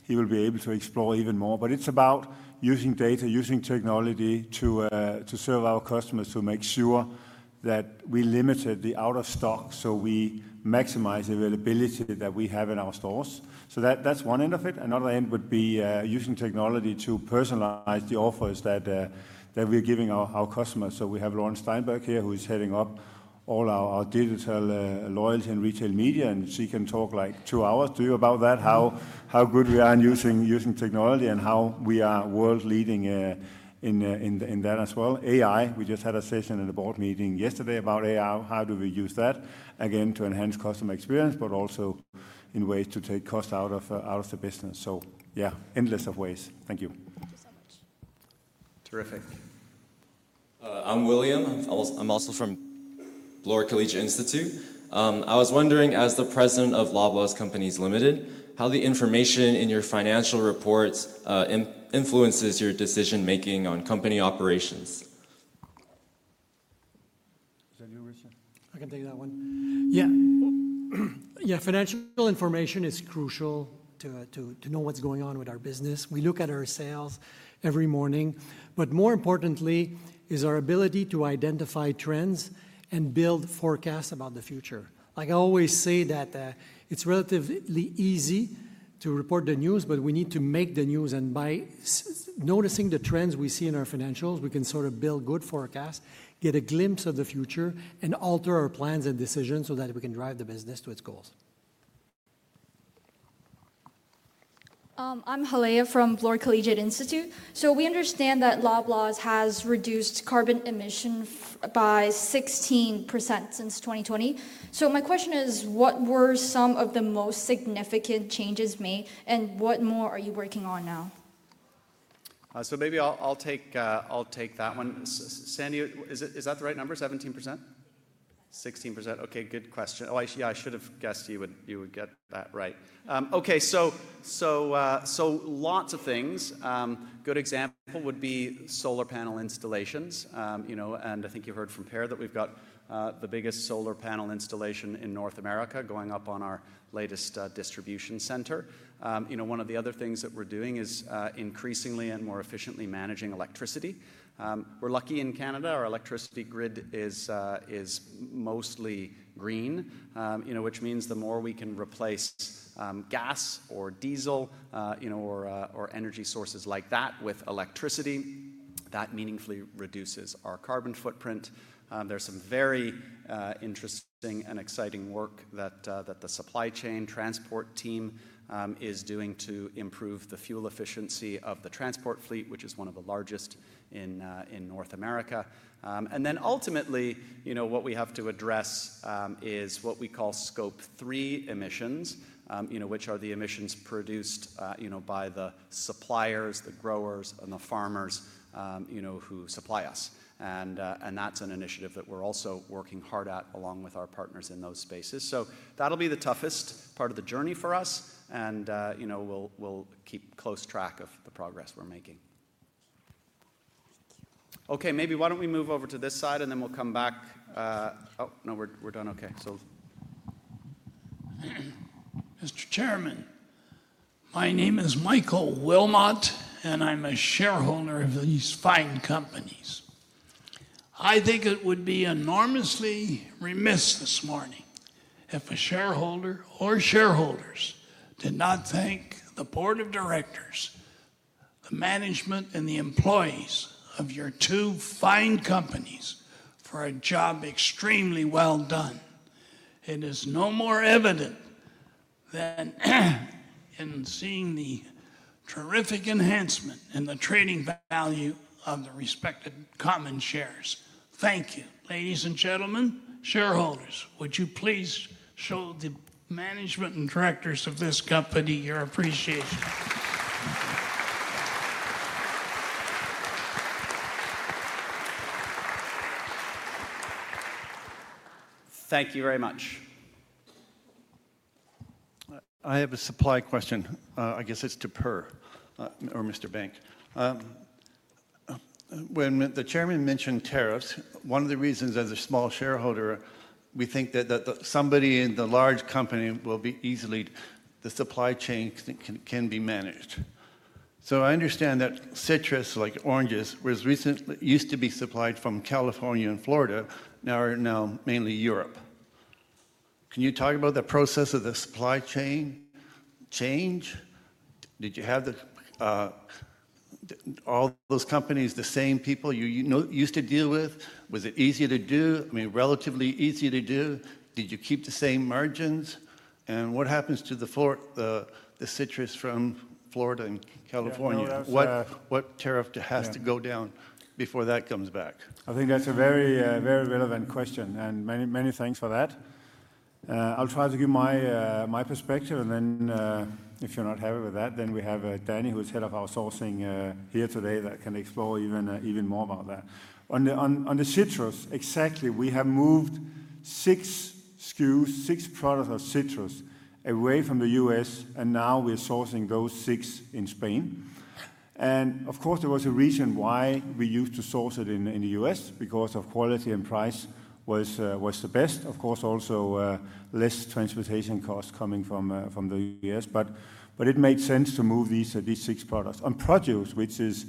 will be able to explore even more. It is about using data, using technology to serve our customers, to make sure that we limit the out-of-stock so we maximize the availability that we have in our stores. That is one end of it. Another end would be using technology to personalize the offers that we are giving our customers. We have Lauren Steinberg here, who is heading up all our digital loyalty and retail media. She can talk like two hours to you about that, how good we are in using technology and how we are world-leading in that as well. AI. We just had a session in the board meeting yesterday about AI. How do we use that? Again, to enhance customer experience, but also in ways to take costs out of the business. Yeah, endless ways. Thank you. Thank you so much. Terrific. I'm William. I'm also from Bloor Collegiate Institute. I was wondering, as the President of Loblaw Companies Limited, how the information in your financial reports influences your decision-making on company operations. Is that your question? I can take that one. Yeah. Yeah, financial information is crucial to know what's going on with our business. We look at our sales every morning. More importantly, is our ability to identify trends and build forecasts about the future. Like I always say that it's relatively easy to report the news, but we need to make the news. By noticing the trends we see in our financials, we can sort of build good forecasts, get a glimpse of the future, and alter our plans and decisions so that we can drive the business to its goals. I'm Haleya from Bloor Collegiate Institute. We understand that Loblaw has reduced carbon emissions by 16% since 2020. My question is, what were some of the most significant changes made, and what more are you working on now? Maybe I'll take that one. Sandy, is that the right number? 17%? 16%. Okay, good question. Oh, yeah, I should have guessed you would get that right. Okay, lots of things. A good example would be solar panel installations. I think you've heard from Per that we've got the biggest solar panel installation in North America going up on our latest distribution center. One of the other things that we're doing is increasingly and more efficiently managing electricity. We're lucky in Canada. Our electricity grid is mostly green, which means the more we can replace gas or diesel or energy sources like that with electricity, that meaningfully reduces our carbon footprint. There's some very interesting and exciting work that the supply chain transport team is doing to improve the fuel efficiency of the transport fleet, which is one of the largest in North America. What we have to address is what we call scope three emissions, which are the emissions produced by the suppliers, the growers, and the farmers who supply us. That is an initiative that we're also working hard at along with our partners in those spaces. That will be the toughest part of the journey for us, and we'll keep close track of the progress we're making. Okay, maybe why don't we move over to this side, and then we'll come back. Oh, no, we're done. Okay. Mr. Chairman, my name is Michael Wilmont, and I'm a shareholder of these fine companies. I think it would be enormously remiss this morning if a shareholder or shareholders did not thank the board of directors, the management, and the employees of your two fine companies for a job extremely well done. It is no more evident than in seeing the terrific enhancement in the trading value of the respected common shares. Thank you. Ladies and gentlemen, shareholders, would you please show the management and directors of this company your appreciation? Thank you very much. I have a supply question. I guess it's to Per or Mr. Bank. When the Chairman mentioned tariffs, one of the reasons as a small shareholder, we think that somebody in the large company will be easily the supply chain can be managed. I understand that citrus, like oranges, used to be supplied from California and Florida, now mainly Europe. Can you talk about the process of the supply chain change? Did you have all those companies, the same people you used to deal with? Was it easy to do? I mean, relatively easy to do? Did you keep the same margins? What happens to the citrus from Florida and California? What tariff has to go down before that comes back? I think that's a very relevant question, and many thanks for that. I'll try to give my perspective, and then if you're not happy with that, we have Danni, who is Head of our Sourcing here today, that can explore even more about that. On the citrus, exactly, we have moved six SKUs, six products of citrus away from the US, and now we're sourcing those six in Spain. Of course, there was a reason why we used to source it in the US because quality and price was the best. Of course, also less transportation costs coming from the US It made sense to move these six products. On produce, which is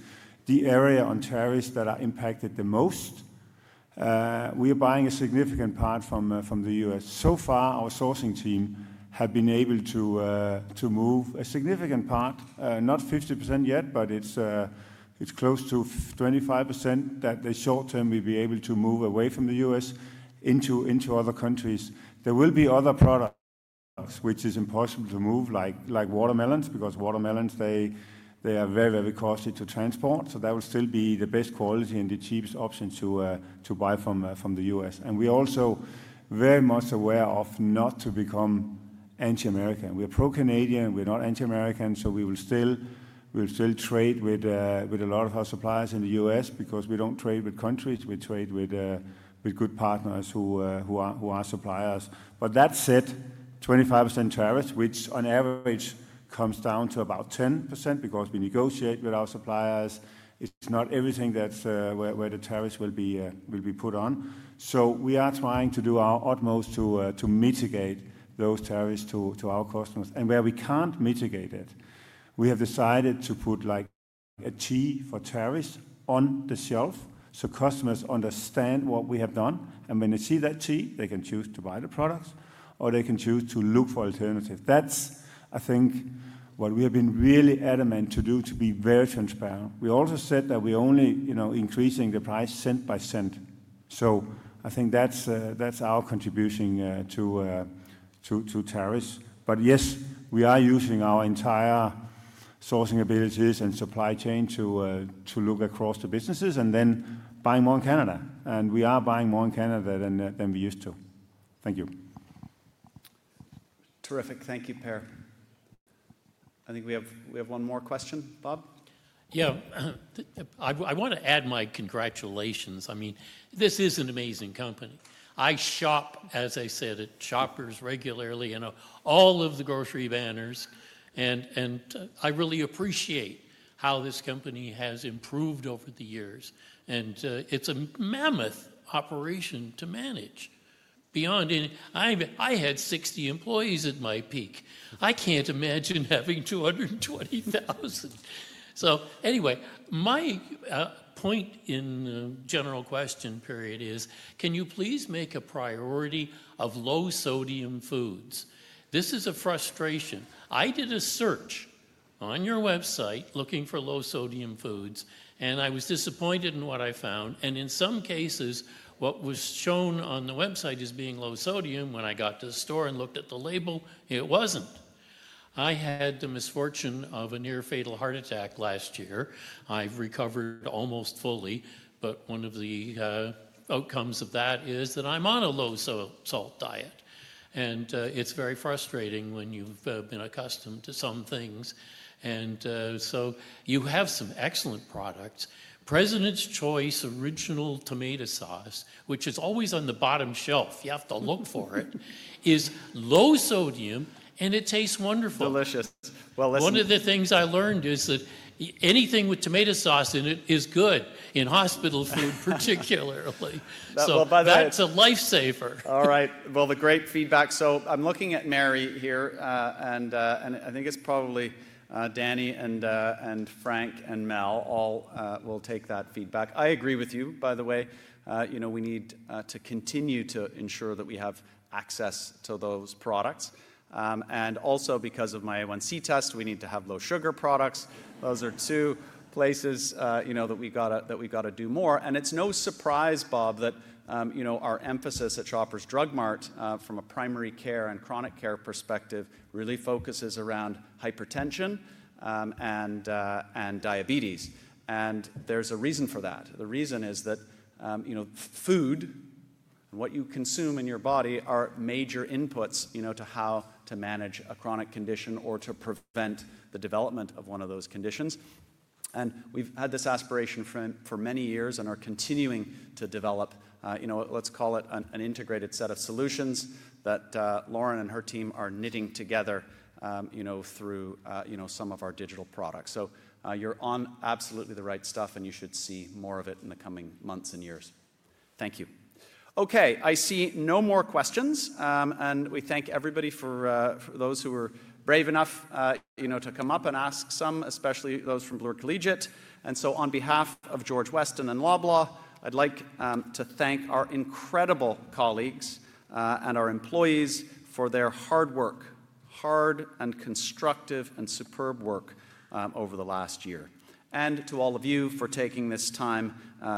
the area on tariffs that are impacted the most, we are buying a significant part from the US So far, our sourcing team have been able to move a significant part, not 50% yet, but it's close to 25% that in the short term we'll be able to move away from the US into other countries. There will be other products which are impossible to move, like watermelons, because watermelons, they are very, very costly to transport. That will still be the best quality and the cheapest option to buy from the US We are also very much aware of not becoming anti-American. We are pro-Canadian. We're not anti-American. We will still trade with a lot of our suppliers in the US because we don't trade with countries. We trade with good partners who are suppliers. That said, 25% tariffs, which on average comes down to about 10% because we negotiate with our suppliers, it's not everything that's where the tariffs will be put on. We are trying to do our utmost to mitigate those tariffs to our customers. Where we can't mitigate it, we have decided to put a T for tariffs on the shelf so customers understand what we have done. When they see that T, they can choose to buy the products or they can choose to look for alternatives. That is, I think, what we have been really adamant to do, to be very transparent. We also said that we're only increasing the price cent by cent. I think that's our contribution to tariffs. Yes, we are using our entire sourcing abilities and supply chain to look across the businesses and then buy more in Canada. We are buying more in Canada than we used to. Thank you. Terrific. Thank you, Per. I think we have one more question. Bob? Yeah. I want to add my congratulations. I mean, this is an amazing company. I shop, as I said, at Shoppers regularly, all of the grocery banners. I really appreciate how this company has improved over the years. It is a mammoth operation to manage. Beyond, I had 60 employees at my peak. I can't imagine having 220,000. Anyway, my point in the general question period is, can you please make a priority of low-sodium foods? This is a frustration. I did a search on your website looking for low-sodium foods, and I was disappointed in what I found. In some cases, what was shown on the website as being low-sodium, when I got to the store and looked at the label, it wasn't. I had the misfortune of a near-fatal heart attack last year. I've recovered almost fully, but one of the outcomes of that is that I'm on a low-salt diet. It's very frustrating when you've been accustomed to some things. You have some excellent products. President's Choice original tomato sauce, which is always on the bottom shelf, you have to look for it, is low-sodium, and it tastes wonderful. Delicious. Listen. One of the things I learned is that anything with tomato sauce in it is good, in hospital food particularly. That is a lifesaver. All right. The great feedback. I'm looking at Mary here, and I think it's probably Danni and Frank and Mel all will take that feedback. I agree with you, by the way. We need to continue to ensure that we have access to those products. Also, because of my A1C test, we need to have low-sugar products. Those are two places that we got to do more. It is no surprise, Bob, that our emphasis at Shoppers Drug Mart, from a primary care and chronic care perspective, really focuses around hypertension and diabetes. There is a reason for that. The reason is that food and what you consume in your body are major inputs to how to manage a chronic condition or to prevent the development of one of those conditions. We have had this aspiration for many years and are continuing to develop, let's call it an integrated set of solutions that Lauren and her team are knitting together through some of our digital products. You are on absolutely the right stuff, and you should see more of it in the coming months and years. Thank you. I see no more questions. We thank everybody for those who were brave enough to come up and ask some, especially those from Bloor Collegiate. On behalf of George Weston and Loblaw, I would like to thank our incredible colleagues and our employees for their hard work, hard and constructive and superb work over the last year, and to all of you for taking this time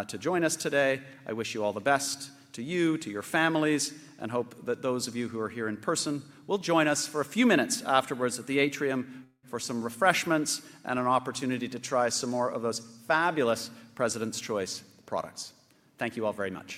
to join us today. I wish you all the best, to you, to your families, and hope that those of you who are here in person will join us for a few minutes afterwards at the atrium for some refreshments and an opportunity to try some more of those fabulous President's Choice products. Thank you all very much.